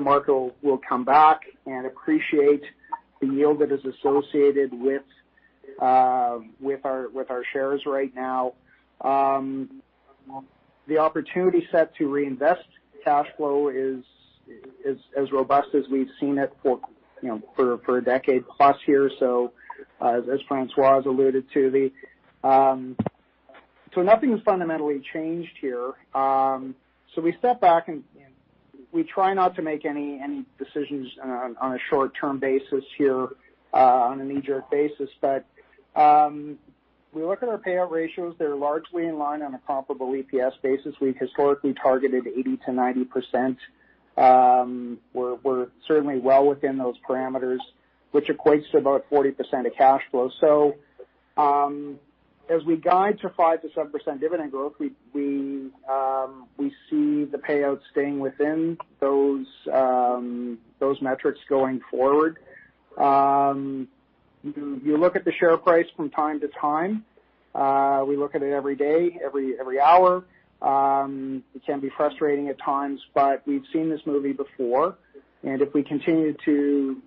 market will come back and appreciate the yield that is associated with our shares right now. The opportunity set to reinvest cash flow is as robust as we've seen it for a decade-plus here. As François alluded to. Nothing's fundamentally changed here. We step back, and we try not to make any decisions on a short-term basis here, on a knee-jerk basis. We look at our payout ratios. They're largely in line on a comparable EPS basis. We've historically targeted 80%-90%. We're certainly well within those parameters, which equates to about 40% of cash flow. As we guide to 5%-7% dividend growth, we see the payout staying within those metrics going forward. You look at the share price from time to time. We look at it every day, every hour. It can be frustrating at times, but we've seen this movie before, and if we continue to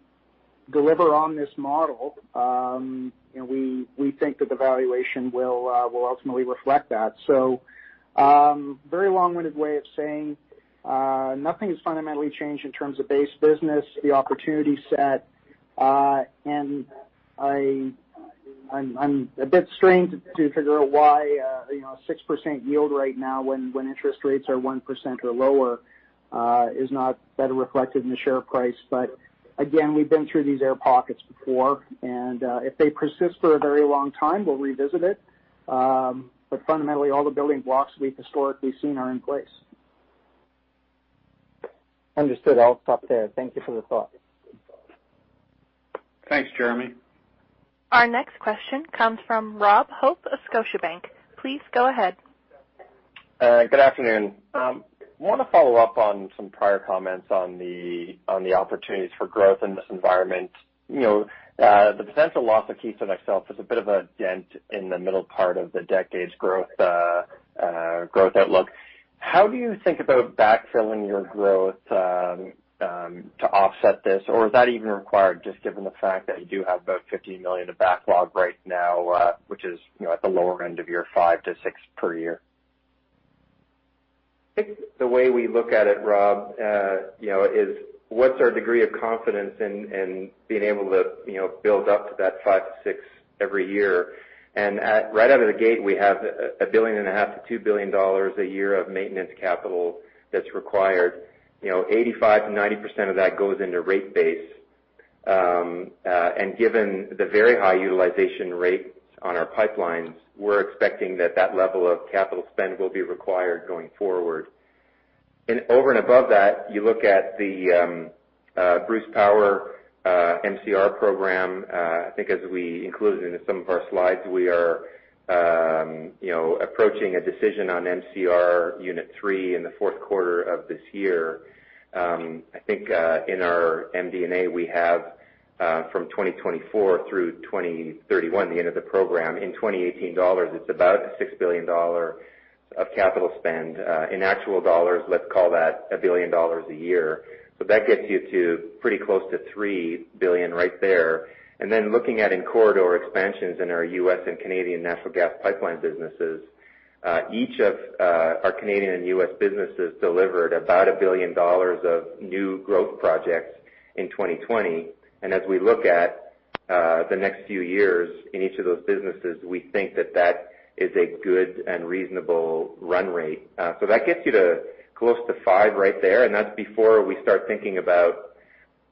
deliver on this model, we think that the valuation will ultimately reflect that. Very long-winded way of saying nothing has fundamentally changed in terms of base business, the opportunity set. I'm a bit strained to figure out why a 6% yield right now when interest rates are 1% or lower is not better reflected in the share price. Again, we've been through these air pockets before, and if they persist for a very long time, we'll revisit it. Fundamentally, all the building blocks we've historically seen are in place. Understood. I'll stop there. Thank you for the thought. Thanks, Jeremy. Our next question comes from Rob Hope of Scotiabank. Please go ahead. Good afternoon. I want to follow up on some prior comments on the opportunities for growth in this environment. The potential loss of Keystone itself is a bit of a dent in the middle part of the decade's growth outlook. How do you think about backfilling your growth to offset this? Is that even required, just given the fact that you do have about 50 million of backlog right now, which is at the lower end of your five to six per year? I think the way we look at it, Rob, is what's our degree of confidence in being able to build up to that 5 billion-6 billion every year? Right out of the gate, we have 1.5 billion-2 billion dollars a year of maintenance capital that's required. 85%-90% of that goes into rate base. Given the very high utilization rates on our pipelines, we're expecting that that level of capital spend will be required going forward. Over and above that, you look at the Bruce Power MCR program. I think as we included in some of our slides, we are approaching a decision on MCR Unit three in the Q4 of this year. I think, in our MD&A, we have from 2024 through 2031, the end of the program. In 2018 dollars, it's about a 6 billion dollar of capital spend. In actual CAD, let's call that 1 billion dollars a year. That gets you to pretty close to 3 billion right there. Looking at in corridor expansions in our U.S. and Canadian natural gas pipeline businesses. Each of our Canadian and U.S. businesses delivered about 1 billion dollars of new growth projects in 2020. As we look at the next few years in each of those businesses, we think that that is a good and reasonable run rate. That gets you to close to 5 billion right there, and that's before we start thinking about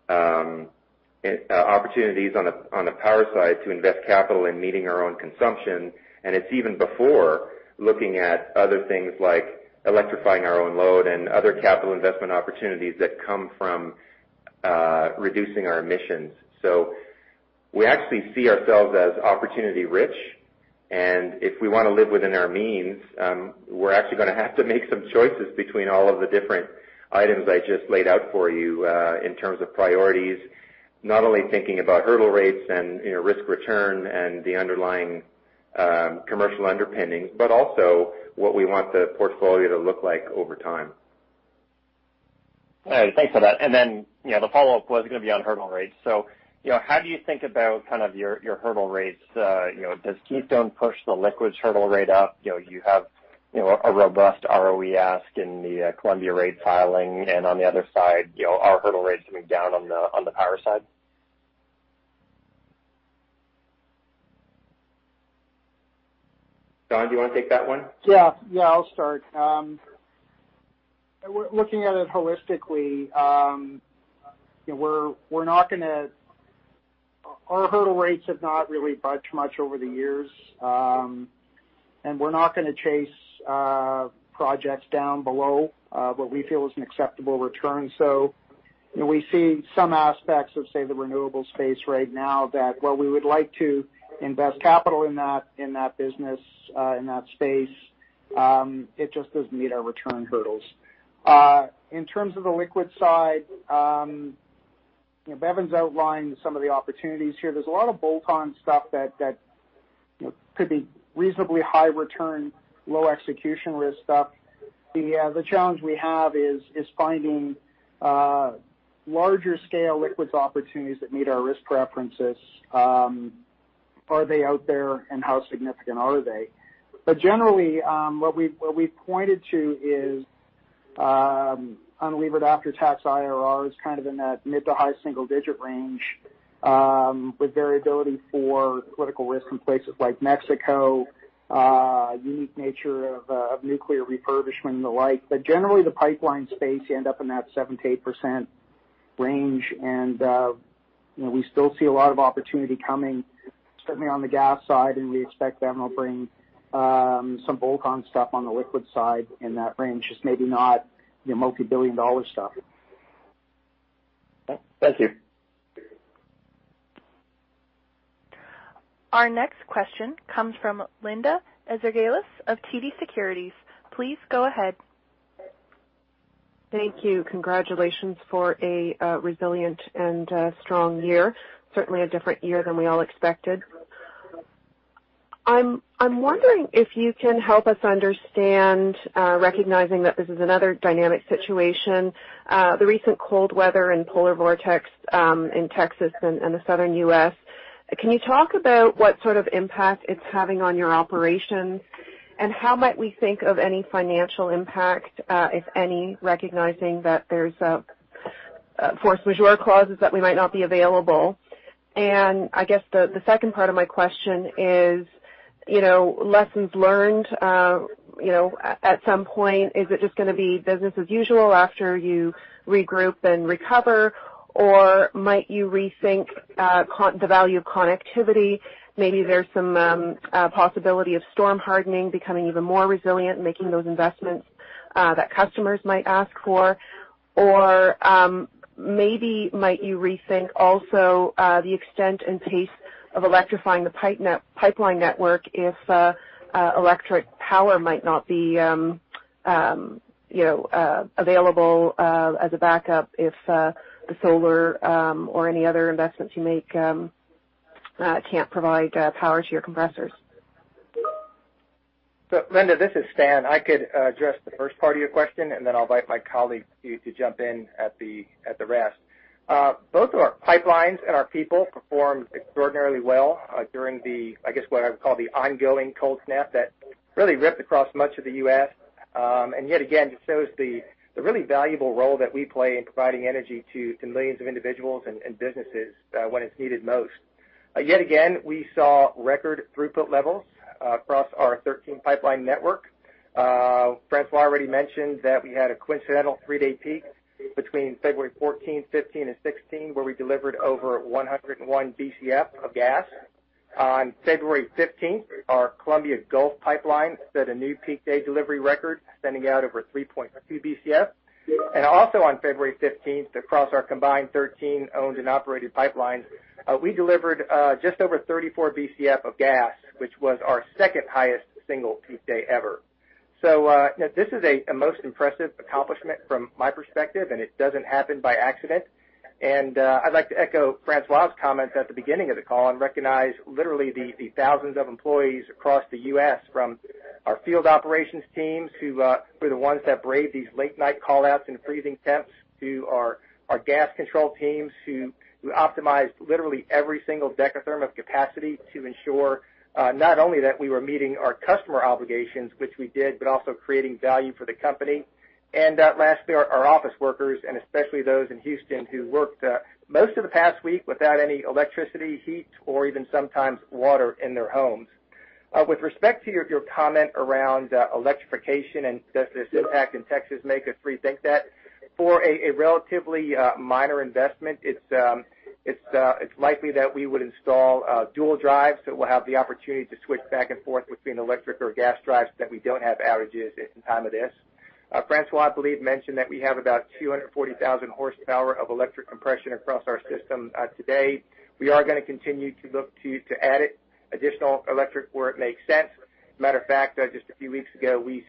opportunities on the power side to invest capital in meeting our own consumption. It's even before looking at other things like electrifying our own load and other capital investment opportunities that come from reducing our emissions. We actually see ourselves as opportunity-rich, and if we want to live within our means, we're actually going to have to make some choices between all of the different items I just laid out for you, in terms of priorities. Not only thinking about hurdle rates and risk-return and the underlying commercial underpinnings, but also what we want the portfolio to look like over time. All right. Thanks for that. The follow-up was going to be on hurdle rates. How do you think about your hurdle rates? Does Keystone push the liquids hurdle rate up? You have a robust ROE ask in the Columbia rate filing, and on the other side, are hurdle rates coming down on the power side? Don, do you want to take that one? Yeah. I'll start. Looking at it holistically, our hurdle rates have not really budged much over the years. We're not going to chase projects down below what we feel is an acceptable return. We see some aspects of, say, the renewable space right now that while we would like to invest capital in that business, in that space, it just doesn't meet our return hurdles. In terms of the liquid side, Bevin's outlined some of the opportunities here. There's a lot of bolt-on stuff that could be reasonably high return, low execution risk stuff. The challenge we have is finding larger scale liquids opportunities that meet our risk preferences. Are they out there, and how significant are they? Generally, what we pointed to is unlevered after-tax IRRs, kind of in that mid to high single-digit range, with variability for political risk in places like Mexico, unique nature of nuclear refurbishment and the like. Generally, the pipeline space, you end up in that 7%-8% range, and we still see a lot of opportunity coming, certainly on the gas side, and we expect Bevin will bring some bolt-on stuff on the liquid side in that range. Just maybe not multi-billion-dollar stuff. Thank you. Our next question comes from Linda Ezergailis of TD Securities. Please go ahead. Thank you. Congratulations for a resilient and strong year. Certainly a different year than we all expected. I'm wondering if you can help us understand, recognizing that this is another dynamic situation, the recent cold weather and polar vortex in Texas and the Southern U.S. Can you talk about what sort of impact it's having on your operations, and how might we think of any financial impact, if any, recognizing that there's force majeure clauses that we might not be available? I guess the second part of my question is lessons learned. At some point, is it just going to be business as usual after you regroup and recover, or might you rethink the value of connectivity? Maybe there's some possibility of storm hardening becoming even more resilient, making those investments that customers might ask for. Maybe might you rethink also the extent and pace of electrifying the pipeline network if electric power might not be available as a backup if the solar or any other investments you make can't provide power to your compressors? Linda, this is Stan. I could address the first part of your question, and then I'll invite my colleagues to jump in at the rest. Both our pipelines and our people performed extraordinarily well during the, I guess what I would call the ongoing cold snap that really ripped across much of the U.S. Yet again, just shows the really valuable role that we play in providing energy to millions of individuals and businesses when it's needed most. Yet again, we saw record throughput levels across our 13 pipeline network. François already mentioned that we had a coincidental three-day peak between February 14th, 15th, and 16th, where we delivered over 101 Bcf of gas. On February 15th, our Columbia Gulf Transmission set a new peak day delivery record, sending out over 3.2 Bcf. Also on February 15th, across our combined 13 owned and operated pipelines, we delivered just over 34 Bcf of gas, which was our second highest single peak day ever. This is a most impressive accomplishment from my perspective, and it doesn't happen by accident. I'd like to echo François' comments at the beginning of the call and recognize literally the thousands of employees across the U.S., from our field operations teams, who are the ones that brave these late-night call-outs in freezing temps, to our gas control teams, who optimize literally every single dekatherm of capacity to ensure not only that we were meeting our customer obligations, which we did, but also creating value for the company. Lastly, our office workers, and especially those in Houston who worked most of the past week without any electricity, heat, or even sometimes water in their homes. With respect to your comment around electrification and does this impact in Texas make us rethink that? For a relatively minor investment, it's likely that we would install dual drives that will have the opportunity to switch back and forth between electric or gas drives so that we don't have outages in time of this. François, I believe, mentioned that we have about 240,000 horsepower of electric compression across our system today. We are going to continue to look to add additional electric where it makes sense. Matter of fact, just a few weeks ago, we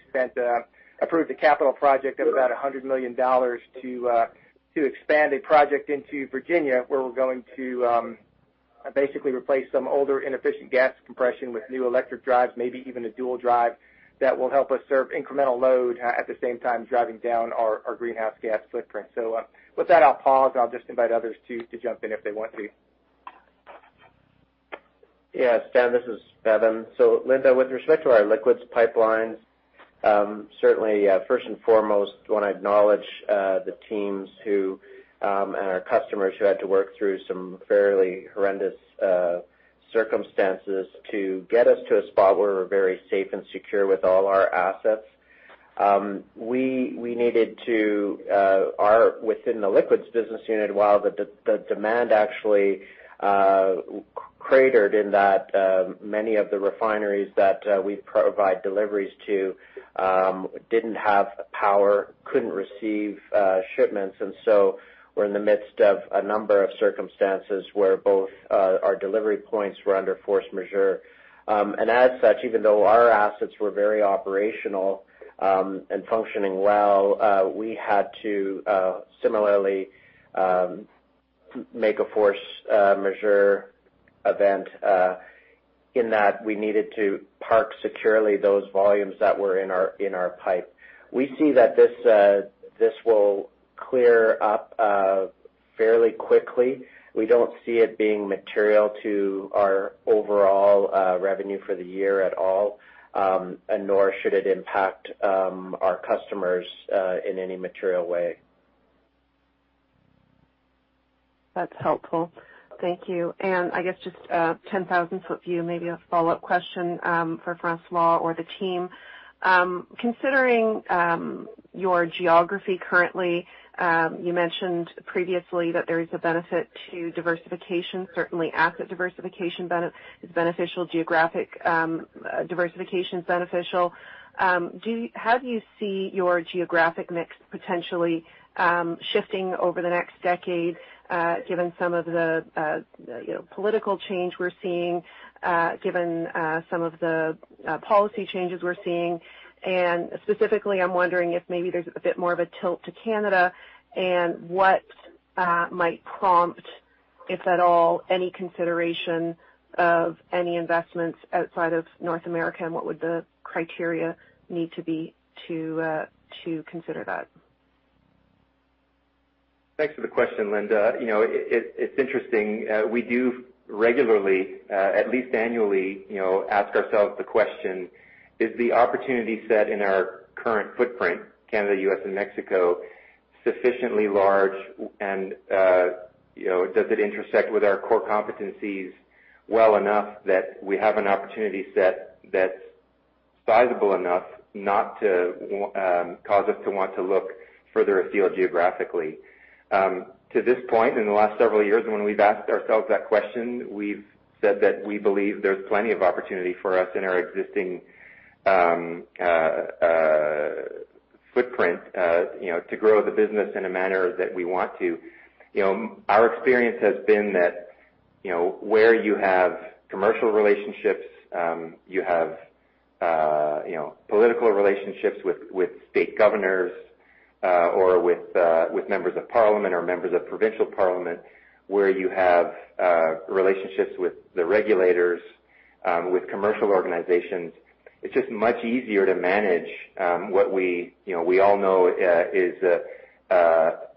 approved a capital project of about 100 million dollars to expand a project into Virginia, where we're going to basically replace some older, inefficient gas compression with new electric drives, maybe even a dual drive that will help us serve incremental load, at the same time driving down our greenhouse gas footprint. With that, I'll pause and I'll just invite others to jump in if they want to. Stan, this is Bevin. Linda, with respect to our Liquids Pipelines, certainly first and foremost, want to acknowledge the teams and our customers who had to work through some fairly horrendous circumstances to get us to a spot where we're very safe and secure with all our assets. Within the Liquids business unit, while the demand actually cratered in that many of the refineries that we provide deliveries to didn't have power, couldn't receive shipments. We're in the midst of a number of circumstances where both our delivery points were under force majeure. As such, even though our assets were very operational and functioning well, we had to similarly make a force majeure event in that we needed to park securely those volumes that were in our pipe. We see that this will clear up fairly quickly. We don't see it being material to our overall revenue for the year at all, nor should it impact our customers in any material way. That's helpful. Thank you. I guess just a 10,000-foot view, maybe a follow-up question for François or the team. Considering your geography currently, you mentioned previously that there is a benefit to diversification. Certainly asset diversification is beneficial. Geographic diversification is beneficial. How do you see your geographic mix potentially shifting over the next decade, given some of the political change we're seeing, given some of the policy changes we're seeing, and specifically, I'm wondering if maybe there's a bit more of a tilt to Canada and what might prompt, if at all, any consideration of any investments outside of North America, and what would the criteria need to be to consider that? Thanks for the question, Linda. It's interesting. We do regularly, at least annually, ask ourselves the question, is the opportunity set in our current footprint, Canada, U.S., and Mexico, sufficiently large and does it intersect with our core competencies well enough that we have an opportunity set that's sizable enough not to cause us to want to look further afield geographically? To this point, in the last several years, when we've asked ourselves that question, we've said that we believe there's plenty of opportunity for us in our existing footprint to grow the business in a manner that we want to. Our experience has been that where you have commercial relationships, you have political relationships with state governors or with members of parliament or members of provincial parliament, where you have relationships with the regulators, with commercial organizations. It's just much easier to manage what we all know is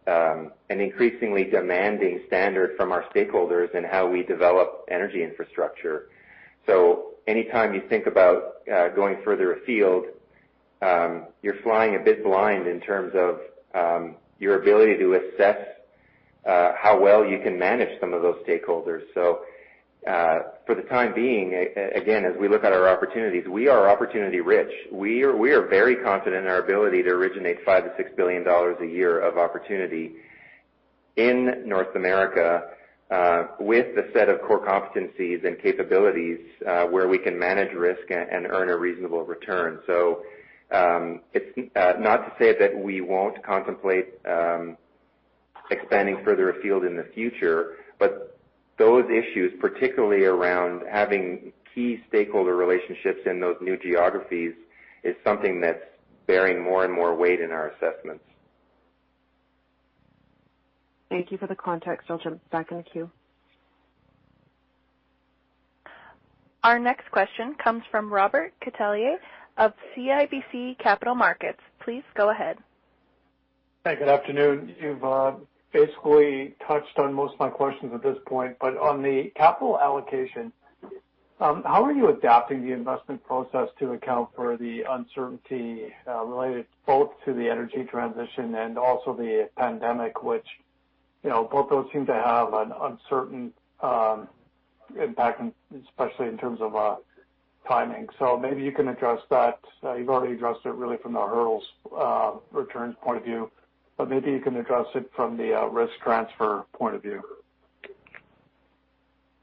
an increasingly demanding standard from our stakeholders in how we develop energy infrastructure. Anytime you think about going further afield, you're flying a bit blind in terms of your ability to assess how well you can manage some of those stakeholders. For the time being, again, as we look at our opportunities, we are opportunity rich. We are very confident in our ability to originate 5-6 billion dollars a year of opportunity in North America with the set of core competencies and capabilities where we can manage risk and earn a reasonable return. It's not to say that we won't contemplate expanding further afield in the future, but those issues, particularly around having key stakeholder relationships in those new geographies, is something that's bearing more and more weight in our assessments. Thank you for the context. I'll jump back in the queue. Our next question comes from Robert Catellier of CIBC Capital Markets. Please go ahead. Hey, good afternoon. You've basically touched on most of my questions at this point, but on the capital allocation, how are you adapting the investment process to account for the uncertainty related both to the energy transition and also the pandemic, which both those seem to have an uncertain impact, especially in terms of timing. Maybe you can address that. You've already addressed it really from the hurdles returns point of view, but maybe you can address it from the risk transfer point of view.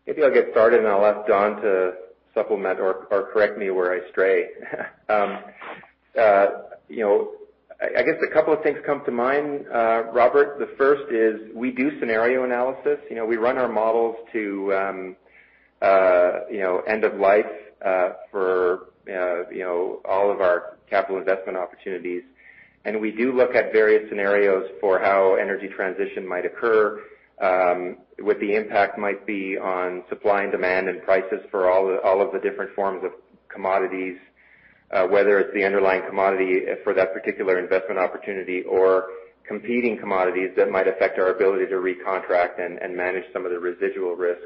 Maybe I'll get started and I'll ask Don to supplement or correct me where I stray. I guess a couple of things come to mind, Robert. The first is we do scenario analysis. We run our models to end of life for all of our capital investment opportunities. We do look at various scenarios for how energy transition might occur, what the impact might be on supply and demand and prices for all of the different forms of commodities, whether it's the underlying commodity for that particular investment opportunity or competing commodities that might affect our ability to recontract and manage some of the residual risk.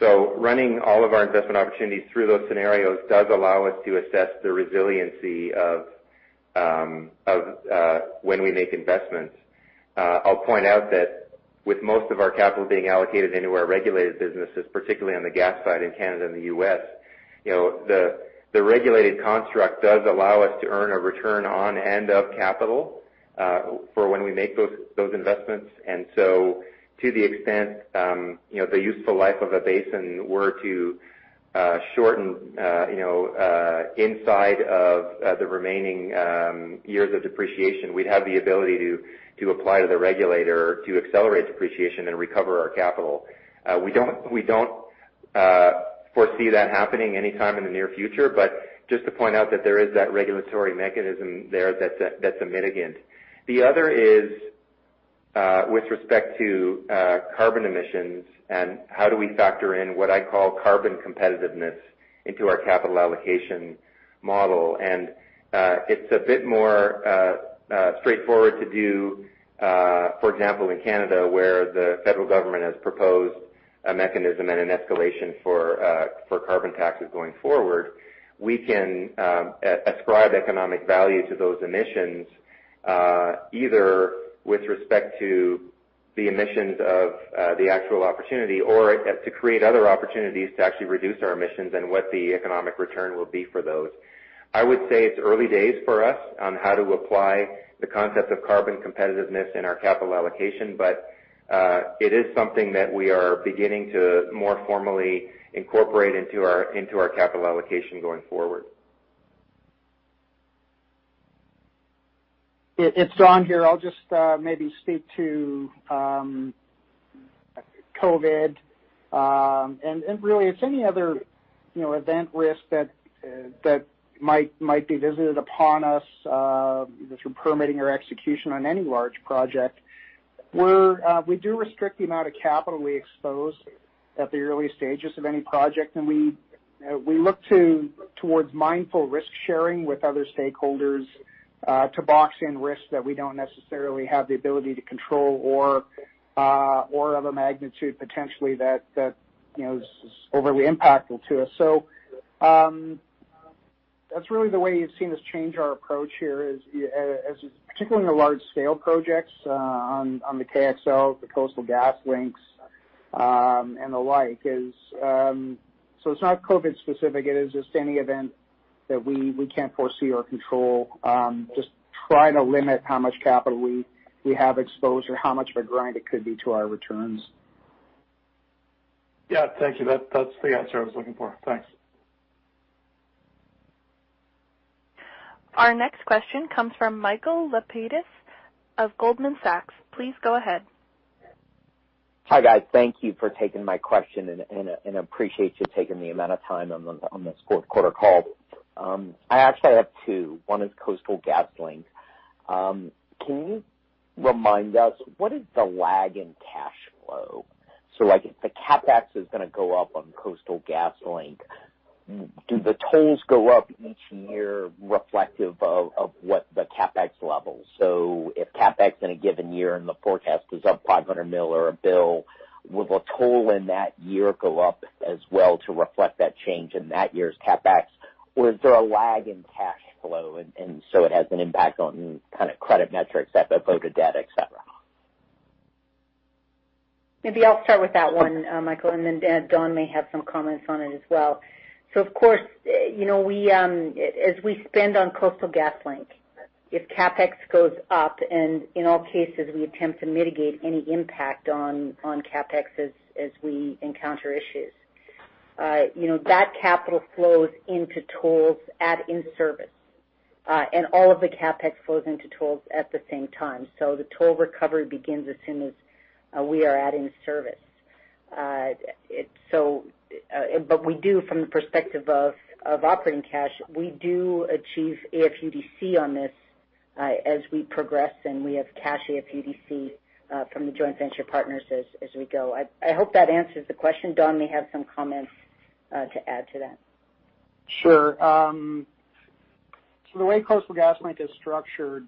Running all of our investment opportunities through those scenarios does allow us to assess the resiliency of when we make investments. I'll point out that with most of our capital being allocated into our regulated businesses, particularly on the gas side in Canada and the U.S., the regulated construct does allow us to earn a return on and of capital for when we make those investments. To the extent the useful life of a basin were to shorten inside of the remaining years of depreciation, we'd have the ability to apply to the regulator to accelerate depreciation and recover our capital. We don't foresee that happening anytime in the near future, but just to point out that there is that regulatory mechanism there that's a mitigant. The other is with respect to carbon emissions and how do we factor in what I call carbon competitiveness into our capital allocation model. It's a bit more straightforward to do, for example, in Canada, where the federal government has proposed a mechanism and an escalation for carbon taxes going forward. We can ascribe economic value to those emissions, either with respect to the emissions of the actual opportunity or to create other opportunities to actually reduce our emissions and what the economic return will be for those. I would say it's early days for us on how to apply the concept of carbon competitiveness in our capital allocation, but it is something that we are beginning to more formally incorporate into our capital allocation going forward. It's Don here. I'll just maybe speak to COVID. Really, if any other event risk that might be visited upon us through permitting or execution on any large project, we do restrict the amount of capital we expose at the early stages of any project. We look towards mindful risk-sharing with other stakeholders to box in risks that we don't necessarily have the ability to control or of a magnitude potentially that is overly impactful to us. That's really the way you've seen us change our approach here is, particularly in the large-scale projects on the KXL, the Coastal GasLink, and the like. It's not COVID-specific, it is just any event that we can't foresee or control. Just try to limit how much capital we have exposed or how much of a grind it could be to our returns. Yeah. Thank you. That's the answer I was looking for. Thanks. Our next question comes from Michael Lapides of Goldman Sachs. Please go ahead. Hi, guys. Thank you for taking my question and appreciate you taking the amount of time on this Q4 call. I actually have two. One is Coastal GasLink. Can you remind us, what is the lag in cash flow? Like, if the CapEx is going to go up on Coastal GasLink, do the tolls go up each year reflective of what the CapEx levels? If CapEx in a given year in the forecast is up 500 million or CAD 1 billion, will the toll in that year go up as well to reflect that change in that year's CapEx? Or is there a lag in cash flow and so it has an impact on credit metrics, FFO to debt, et cetera? Maybe I'll start with that one, Michael, and then Don may have some comments on it as well. Of course, as we spend on Coastal GasLink, if CapEx goes up, and in all cases, we attempt to mitigate any impact on CapEx as we encounter issues. That capital flows into tolls at in-service. All of the CapEx flows into tolls at the same time. The toll recovery begins as soon as we are adding service. We do, from the perspective of operating cash, we do achieve AFUDC on this as we progress, and we have cash AFUDC from the joint venture partners as we go. I hope that answers the question. Don may have some comments to add to that. Sure. The way Coastal GasLink is structured,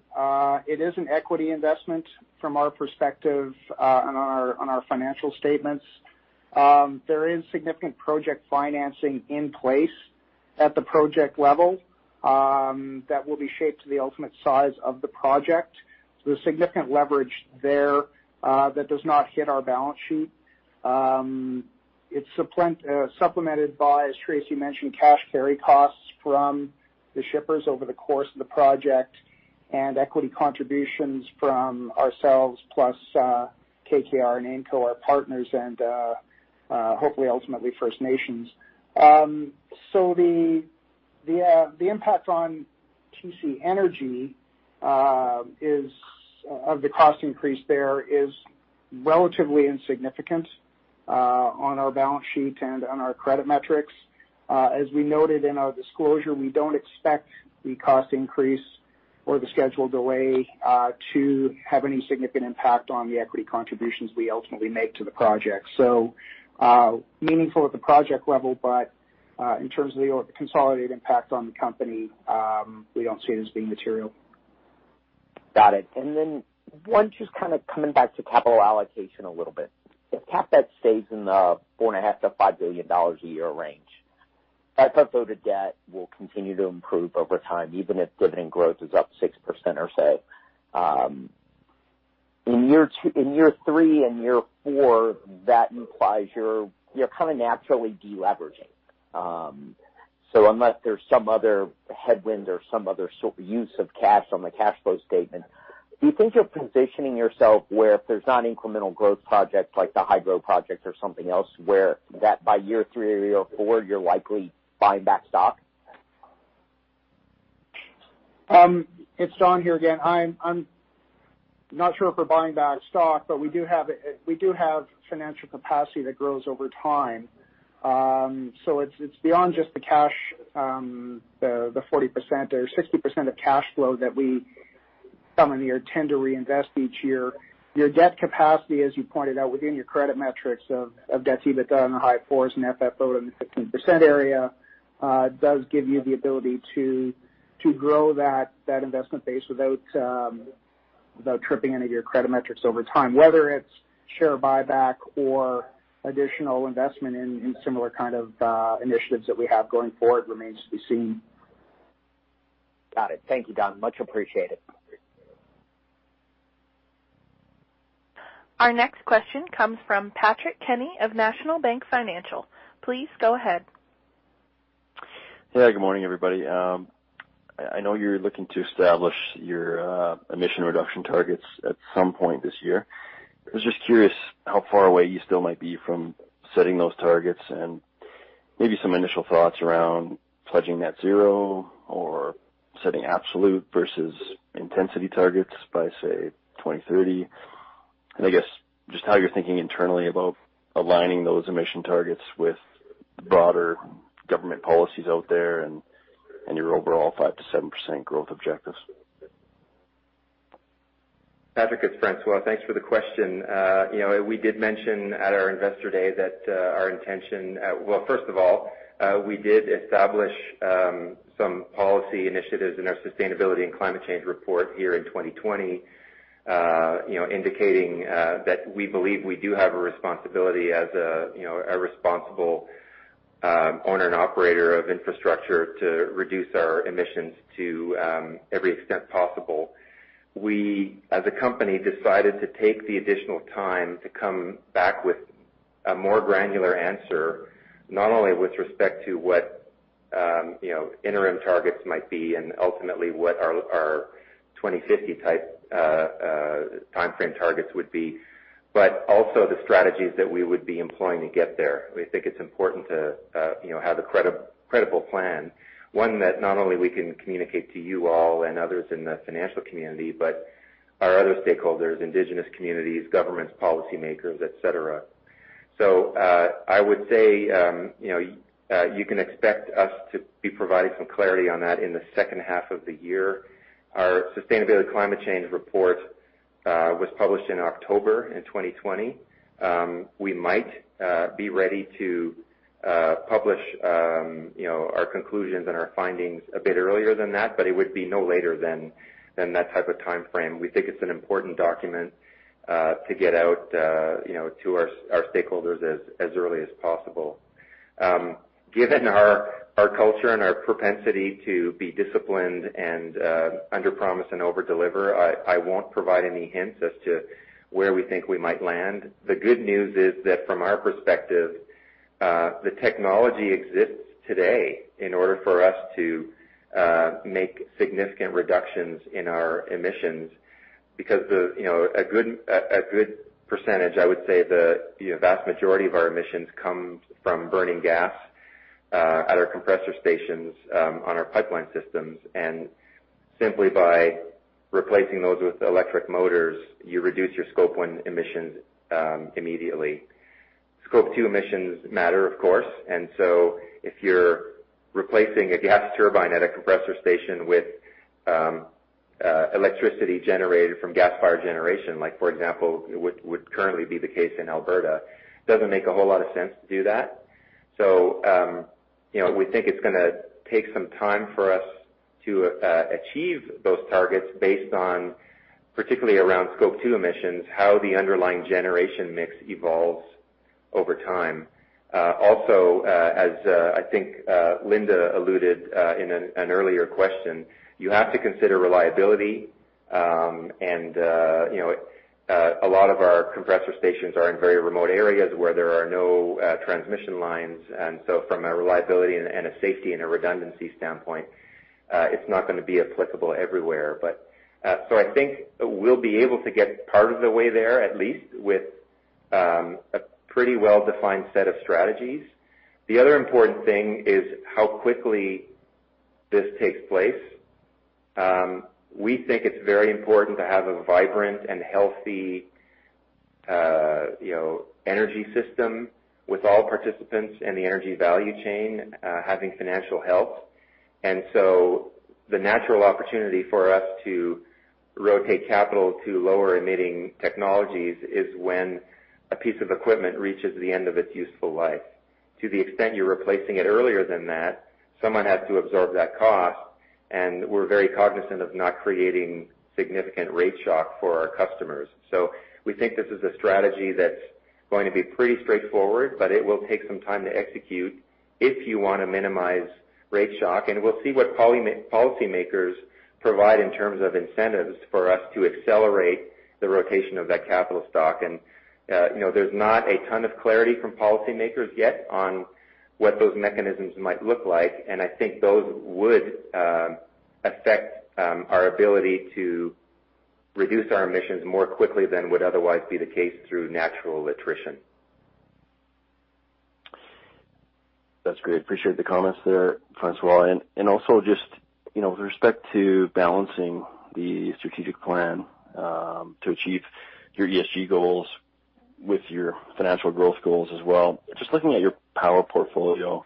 it is an equity investment from our perspective on our financial statements. There is significant project financing in place at the project level that will be shaped to the ultimate size of the project. There's significant leverage there that does not hit our balance sheet. It's supplemented by, as Tracy mentioned, cash carry costs from the shippers over the course of the project and equity contributions from ourselves plus KKR and AIMCo, our partners, and hopefully ultimately First Nations. The impact on TC Energy of the cost increase there is relatively insignificant on our balance sheet and on our credit metrics. As we noted in our disclosure, we don't expect the cost increase or the scheduled delay to have any significant impact on the equity contributions we ultimately make to the project. Meaningful at the project level, but in terms of the consolidated impact on the company, we don't see it as being material. Got it. One, just coming back to capital allocation a little bit. If CapEx stays in the 4.5-5 billion dollars a year range, FFO to debt will continue to improve over time, even if dividend growth is up 6% or so. In year three and year four, that implies you're naturally de-leveraging. Unless there's some other headwind or some other use of cash on the cash flow statement, do you think you're positioning yourself where if there's not incremental growth projects like the Hydro project or something else, where that by year three or year four, you're likely buying back stock? It's Don here again. I'm not sure if we're buying back stock. We do have financial capacity that grows over time. It's beyond just the cash, the 40% or 60% of cash flow that we come in here tend to reinvest each year. Your debt capacity, as you pointed out, within your credit metrics of debt to EBITDA in the high fours and FFO in the 15% area, does give you the ability to grow that investment base without tripping any of your credit metrics over time. Whether it's share buyback or additional investment in similar initiatives that we have going forward remains to be seen. Got it. Thank you, Don. Much appreciated. Our next question comes from Patrick Kenny of National Bank Financial. Please go ahead. Yeah. Good morning, everybody. I know you're looking to establish your emission reduction targets at some point this year. I was just curious how far away you still might be from setting those targets, and maybe some initial thoughts around pledging net zero or setting absolute versus intensity targets by, say, 2030. I guess just how you're thinking internally about aligning those emission targets with broader government policies out there and your overall 5%-7% growth objectives. Patrick, it is François. Thanks for the question. We did mention at our investor day that first of all, we did establish some policy initiatives in our Sustainability and Climate Change Report here in 2020, indicating that we believe we do have a responsibility as a responsible owner and operator of infrastructure to reduce our emissions to every extent possible. We, as a company, decided to take the additional time to come back with a more granular answer, not only with respect to what interim targets might be and ultimately what our 2050 type timeframe targets would be, but also the strategies that we would be employing to get there. We think it is important to have a credible plan. One that not only we can communicate to you all and others in the financial community, but our other stakeholders, indigenous communities, governments, policymakers, et cetera. I would say, you can expect us to be providing some clarity on that in the H2 of the year. Our sustainability climate change report was published in October in 2020. We might be ready to publish our conclusions and our findings a bit earlier than that, but it would be no later than that type of timeframe. We think it's an important document to get out to our stakeholders as early as possible. Given our culture and our propensity to be disciplined and under-promise and overdeliver, I won't provide any hints as to where we think we might land. The good news is that from our perspective, the technology exists today in order for us to make significant reductions in our emissions because a good percentage, I would say the vast majority of our emissions, comes from burning gas at our compressor stations on our pipeline systems. Simply by replacing those with electric motors, you reduce your Scope one emissions immediately. Scope two emissions matter, of course. If you're replacing a gas turbine at a compressor station with electricity generated from gas-fired generation, like for example, would currently be the case in Alberta, doesn't make a whole lot of sense to do that. We think it's going to take some time for us to achieve those targets based on, particularly around Scope two emissions, how the underlying generation mix evolves over time. Also, as I think Linda alluded in an earlier question, you have to consider reliability. A lot of our compressor stations are in very remote areas where there are no transmission lines. From a reliability and a safety and a redundancy standpoint, it's not going to be applicable everywhere. I think we'll be able to get part of the way there, at least, with a pretty well-defined set of strategies. The other important thing is how quickly this takes place. We think it's very important to have a vibrant and healthy energy system with all participants in the energy value chain having financial health. The natural opportunity for us to rotate capital to lower emitting technologies is when a piece of equipment reaches the end of its useful life. To the extent you're replacing it earlier than that, someone has to absorb that cost, and we're very cognizant of not creating significant rate shock for our customers. We think this is a strategy that's going to be pretty straightforward, but it will take some time to execute if you want to minimize rate shock. We'll see what policymakers provide in terms of incentives for us to accelerate the rotation of that capital stock. There's not a ton of clarity from policymakers, yet on what those mechanisms might look like, and I think those would affect our ability to reduce our emissions more quickly than would otherwise be the case through natural attrition. That's great. Appreciate the comments there, François. Also just with respect to balancing the strategic plan to achieve your ESG goals with your financial growth goals as well, just looking at your power portfolio,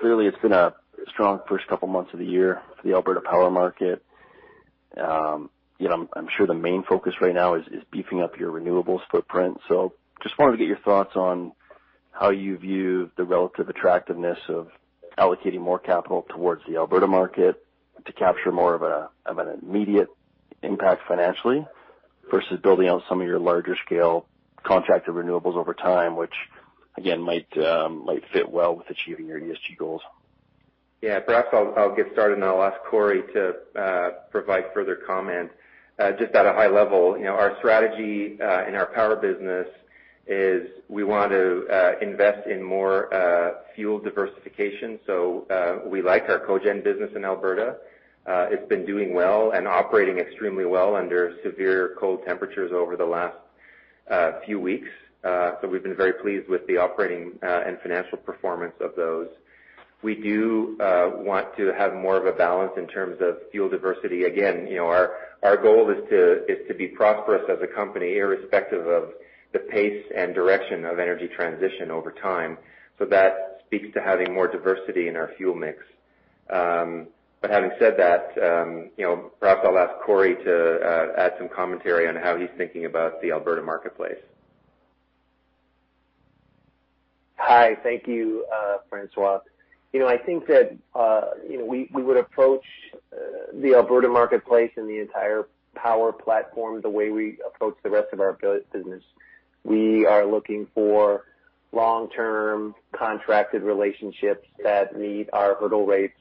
clearly it's been a strong first couple months of the year for the Alberta power market. I'm sure the main focus right now is beefing up your renewables footprint. Just wanted to get your thoughts on how you view the relative attractiveness of allocating more capital towards the Alberta market to capture more of an immediate impact financially versus building out some of your larger scale contracted renewables over time, which again, might fit well with achieving your ESG goals. Yeah, perhaps I'll get started and then I'll ask Corey to provide further comment. Just at a high level, our strategy in our power business is we want to invest in more fuel diversification. We like our cogen business in Alberta. It's been doing well and operating extremely well under severe cold temperatures over the last few weeks. We've been very pleased with the operating and financial performance of those. We do want to have more of a balance in terms of fuel diversity. Again, our goal is to be prosperous as a company, irrespective of the pace and direction of energy transition over time. That speaks to having more diversity in our fuel mix. Having said that, perhaps I'll ask Corey to add some commentary on how he's thinking about the Alberta marketplace. Hi. Thank you, François. I think that we would approach the Alberta marketplace and the entire power platform the way we approach the rest of our business. We are looking for long-term contracted relationships that meet our hurdle rates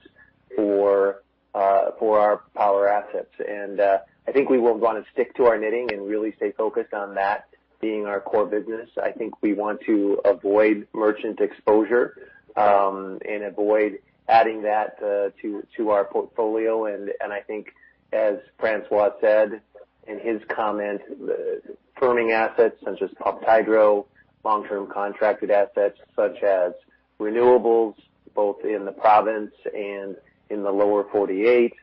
for our power assets. I think we will want to stick to our knitting and really stay focused on that being our core business. I think we want to avoid merchant exposure, and avoid adding that to our portfolio. I think as François said in his comment, firming assets such as pumped hydro, long-term contracted assets such as renewables, both in the province and in the Lower 48,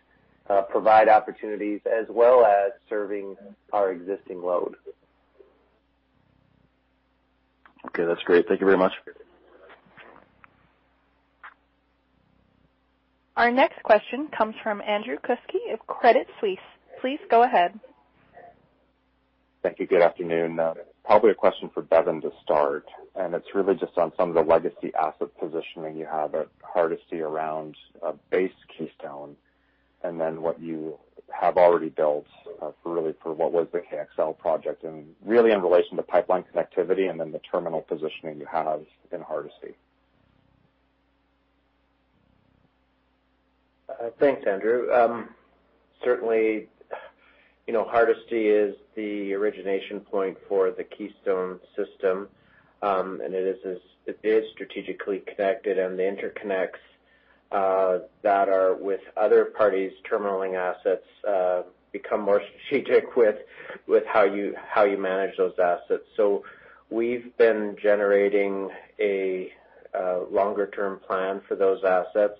provide opportunities as well as serving our existing load. Okay. That's great. Thank you very much. Our next question comes from Andrew Kuske of Credit Suisse. Please go ahead. Thank you. Good afternoon. Probably a question for Bevin to start, and it's really just on some of the legacy asset positioning you have at Hardisty around base Keystone, and then what you have already built for what was the KXL project, and really in relation to pipeline connectivity and then the terminal positioning you have in Hardisty. Thanks, Andrew. Certainly, Hardisty is the origination point for the Keystone system, and it is strategically connected, and the interconnects that are with other parties' terminaling assets become more strategic with how you manage those assets. We've been generating a longer-term plan for those assets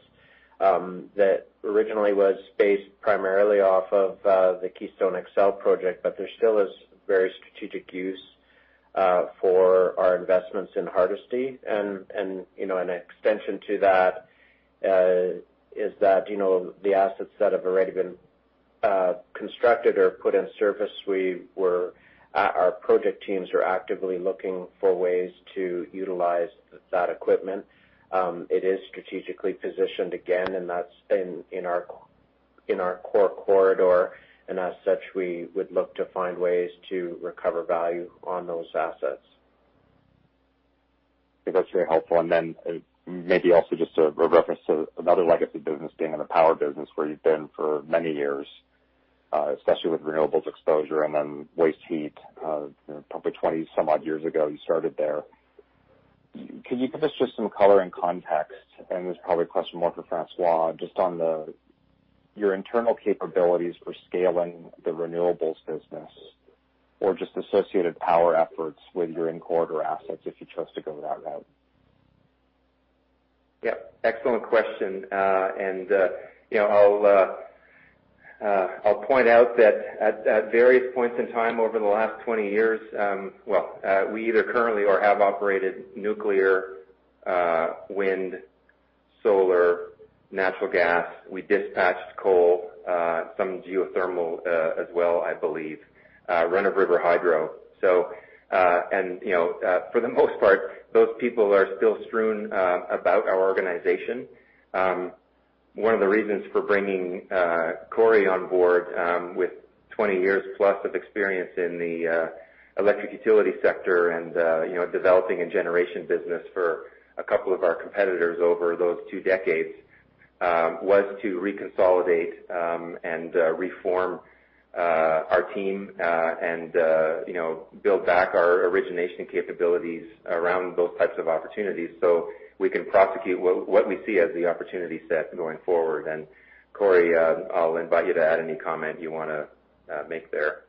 that originally was based primarily off of the Keystone XL project, but there still is very strategic use for our investments in Hardisty. An extension to that is that the assets that have already been constructed or put in service, our project teams are actively looking for ways to utilize that equipment. It is strategically positioned, again, in our core corridor, and as such, we would look to find ways to recover value on those assets. I think that's very helpful. Maybe also just a reference to another legacy business, being in the power business where you've been for many years, especially with renewables exposure and then waste heat, probably 20-some odd years ago, you started there. Can you give us just some color and context, and this is probably a question more for François, just on your internal capabilities for scaling the renewables business or just associated power efforts with your in-corridor assets if you chose to go that route? Yep. Excellent question. I'll point out that at various points in time over the last 20 years, we either currently or have operated nuclear, wind, solar, natural gas. We dispatched coal, some geothermal as well, I believe, run-of-river hydro. For the most part, those people are still strewn about our organization. One of the reasons for bringing Corey on board with 20-years-plus of experience in the electric utility sector and developing a generation business for a couple of our competitors over those two decades was to reconsolidate and reform our team and build back our origination capabilities around those types of opportunities so we can prosecute what we see as the opportunity set going forward. Corey, I'll invite you to add any comment you want to make there.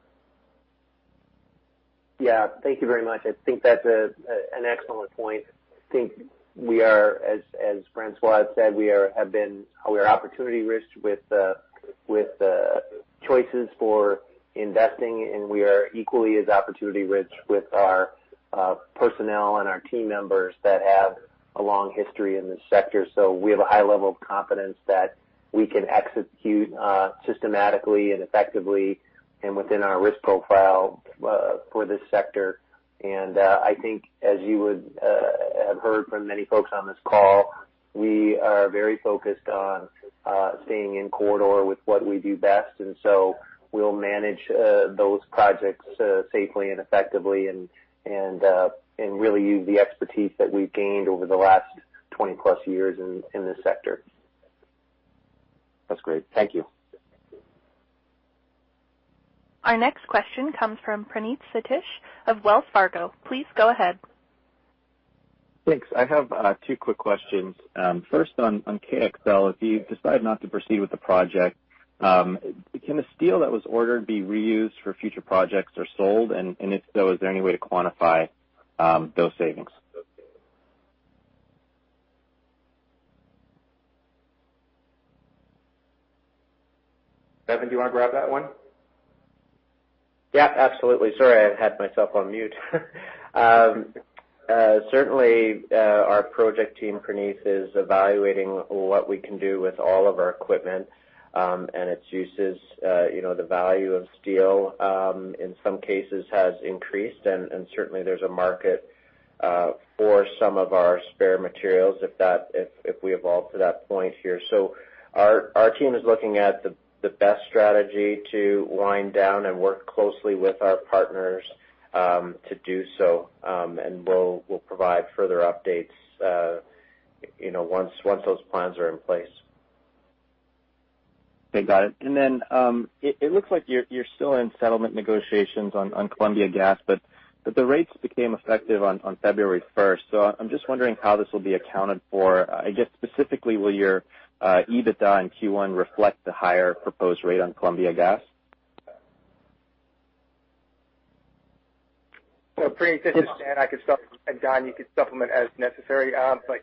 Yeah. Thank you very much. I think that's an excellent point. I think we are, as François said, we are opportunity-rich with choices for investing, and we are equally as opportunity-rich with our personnel and our team members that have a long history in this sector. We have a high level of confidence that we can execute systematically and effectively and within our risk profile for this sector. I think as you would have heard from many folks on this call, we are very focused on staying in corridor with what we do best, and so we'll manage those projects safely and effectively and really use the expertise that we've gained over the last 20+ years in this sector. That's great. Thank you. Our next question comes from Praneeth Satish of Wells Fargo. Please go ahead. Thanks. I have two quick questions. First, on KXL, if you decide not to proceed with the project, can the steel that was ordered be reused for future projects or sold? If so, is there any way to quantify those savings? Bevin, do you want to grab that one? Yeah, absolutely. Sorry, I had myself on mute. Our project team, Praneeth, is evaluating what we can do with all of our equipment and its uses. The value of steel, in some cases, has increased, and certainly there's a market for some of our spare materials if we evolve to that point here. Our team is looking at the best strategy to wind down and work closely with our partners to do so. We'll provide further updates once those plans are in place. Okay, got it. It looks like you're still in settlement negotiations on Columbia Gas, but the rates became effective on February 1st. I'm just wondering how this will be accounted for. I guess, specifically, will your EBITDA in Q1 reflect the higher proposed rate on Columbia Gas? Praneeth, this is Stan. Don, you could supplement as necessary.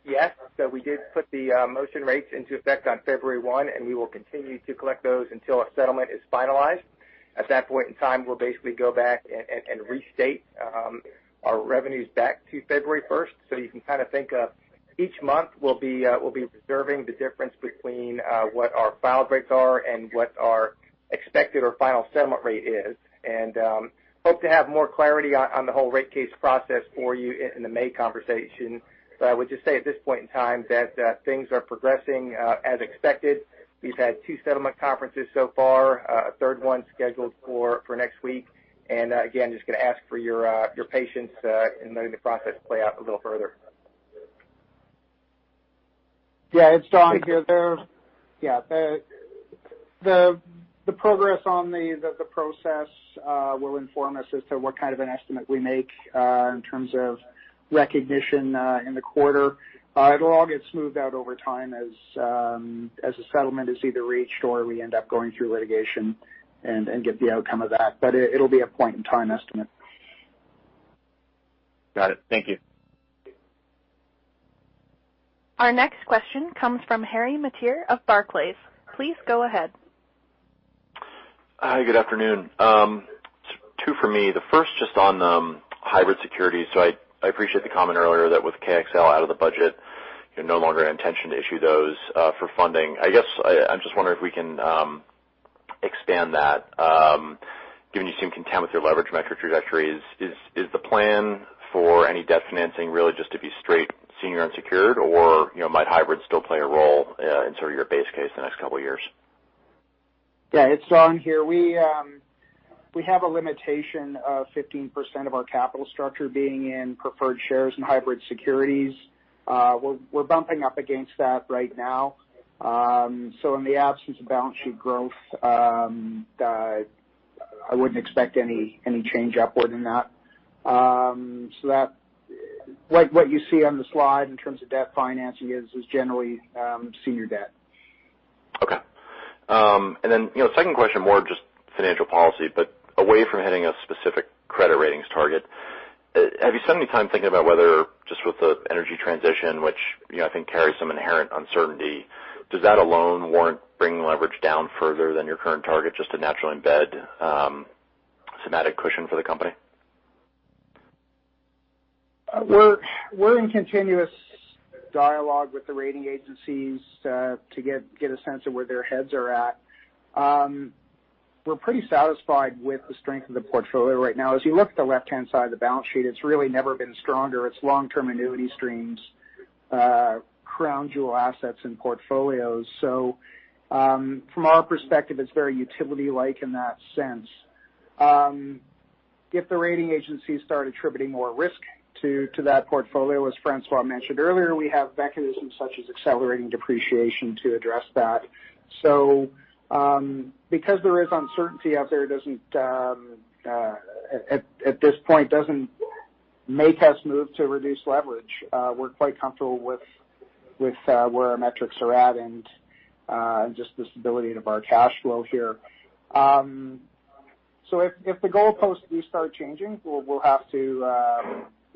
Yes, we did put the motion rates into effect on February 1st, and we will continue to collect those until our settlement is finalized. At that point in time, we'll basically go back and restate our revenues back to February 1st. You can kind of think of each month, we'll be reserving the difference between what our filed rates are and what our expected or final settlement rate is. Hope to have more clarity on the whole rate case process for you in the May conversation. I would just say at this point in time that things are progressing as expected. We've had two settlement conferences so far, a third one scheduled for next week. Again, just going to ask for your patience in letting the process play out a little further. Yeah, it's Don here. The progress on the process will inform us as to what kind of an estimate we make in terms of recognition in the quarter. It'll all get smoothed out over time as the settlement is either reached or we end up going through litigation and get the outcome of that. It'll be a point-in-time estimate. Got it. Thank you. Our next question comes from Harry Mateer of Barclays. Please go ahead. Hi, good afternoon. Two for me. The first just on hybrid securities. I appreciate the comment earlier that with KXL out of the budget, you no longer intention to issue those for funding. I guess I'm just wondering if we can expand that. Given you seem content with your leverage metric trajectories, is the plan for any debt financing really just to be straight senior unsecured, or might hybrid still play a role in sort of your base case the next couple of years? Yeah, it's Don here. We have a limitation of 15% of our capital structure being in preferred shares and hybrid securities. We're bumping up against that right now. In the absence of balance sheet growth, I wouldn't expect any change upward in that. What you see on the slide in terms of debt financing is generally senior debt. Okay. Second question, more just financial policy, but away from hitting a specific credit ratings target, have you spent any time thinking about whether, just with the energy transition, which I think carries some inherent uncertainty, does that alone warrant bringing leverage down further than your current target just to naturally embed systemic cushion for the company? We're in continuous dialogue with the rating agencies to get a sense of where their heads are at. We're pretty satisfied with the strength of the portfolio right now. As you look at the left-hand side of the balance sheet, it's really never been stronger. It's long-term annuity streams, crown jewel assets, and portfolios. From our perspective, it's very utility-like in that sense. If the rating agencies start attributing more risk to that portfolio, as François mentioned earlier, we have mechanisms such as accelerating depreciation to address that. Because there is uncertainty out there, at this point, doesn't make us move to reduce leverage. We're quite comfortable with where our metrics are at and just the stability of our cash flow here. If the goalposts do start changing,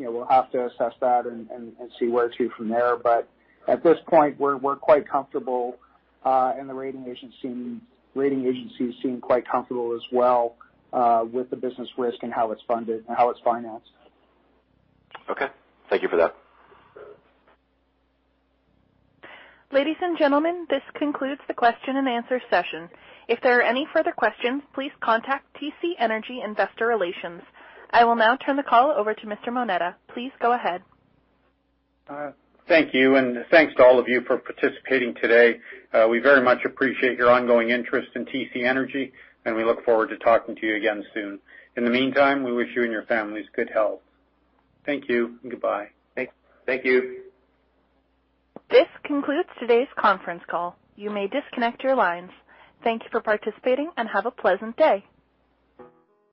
we'll have to assess that and see where to from there. At this point, we're quite comfortable and the rating agencies seem quite comfortable as well with the business risk and how it's funded and how it's financed. Okay. Thank you for that. Ladies and gentlemen, this concludes the question-and-answer session. If there are any further questions, please contact TC Energy Investor Relations. I will now turn the call over to Mr. Moneta. Please go ahead. Thank you. Thanks to all of you for participating today. We very much appreciate your ongoing interest in TC Energy. We look forward to talking to you again soon. In the meantime, we wish you and your families good health. Thank you. Goodbye. Thank you. This concludes today's conference call. You may disconnect your lines. Thank you for participating, and have a pleasant day.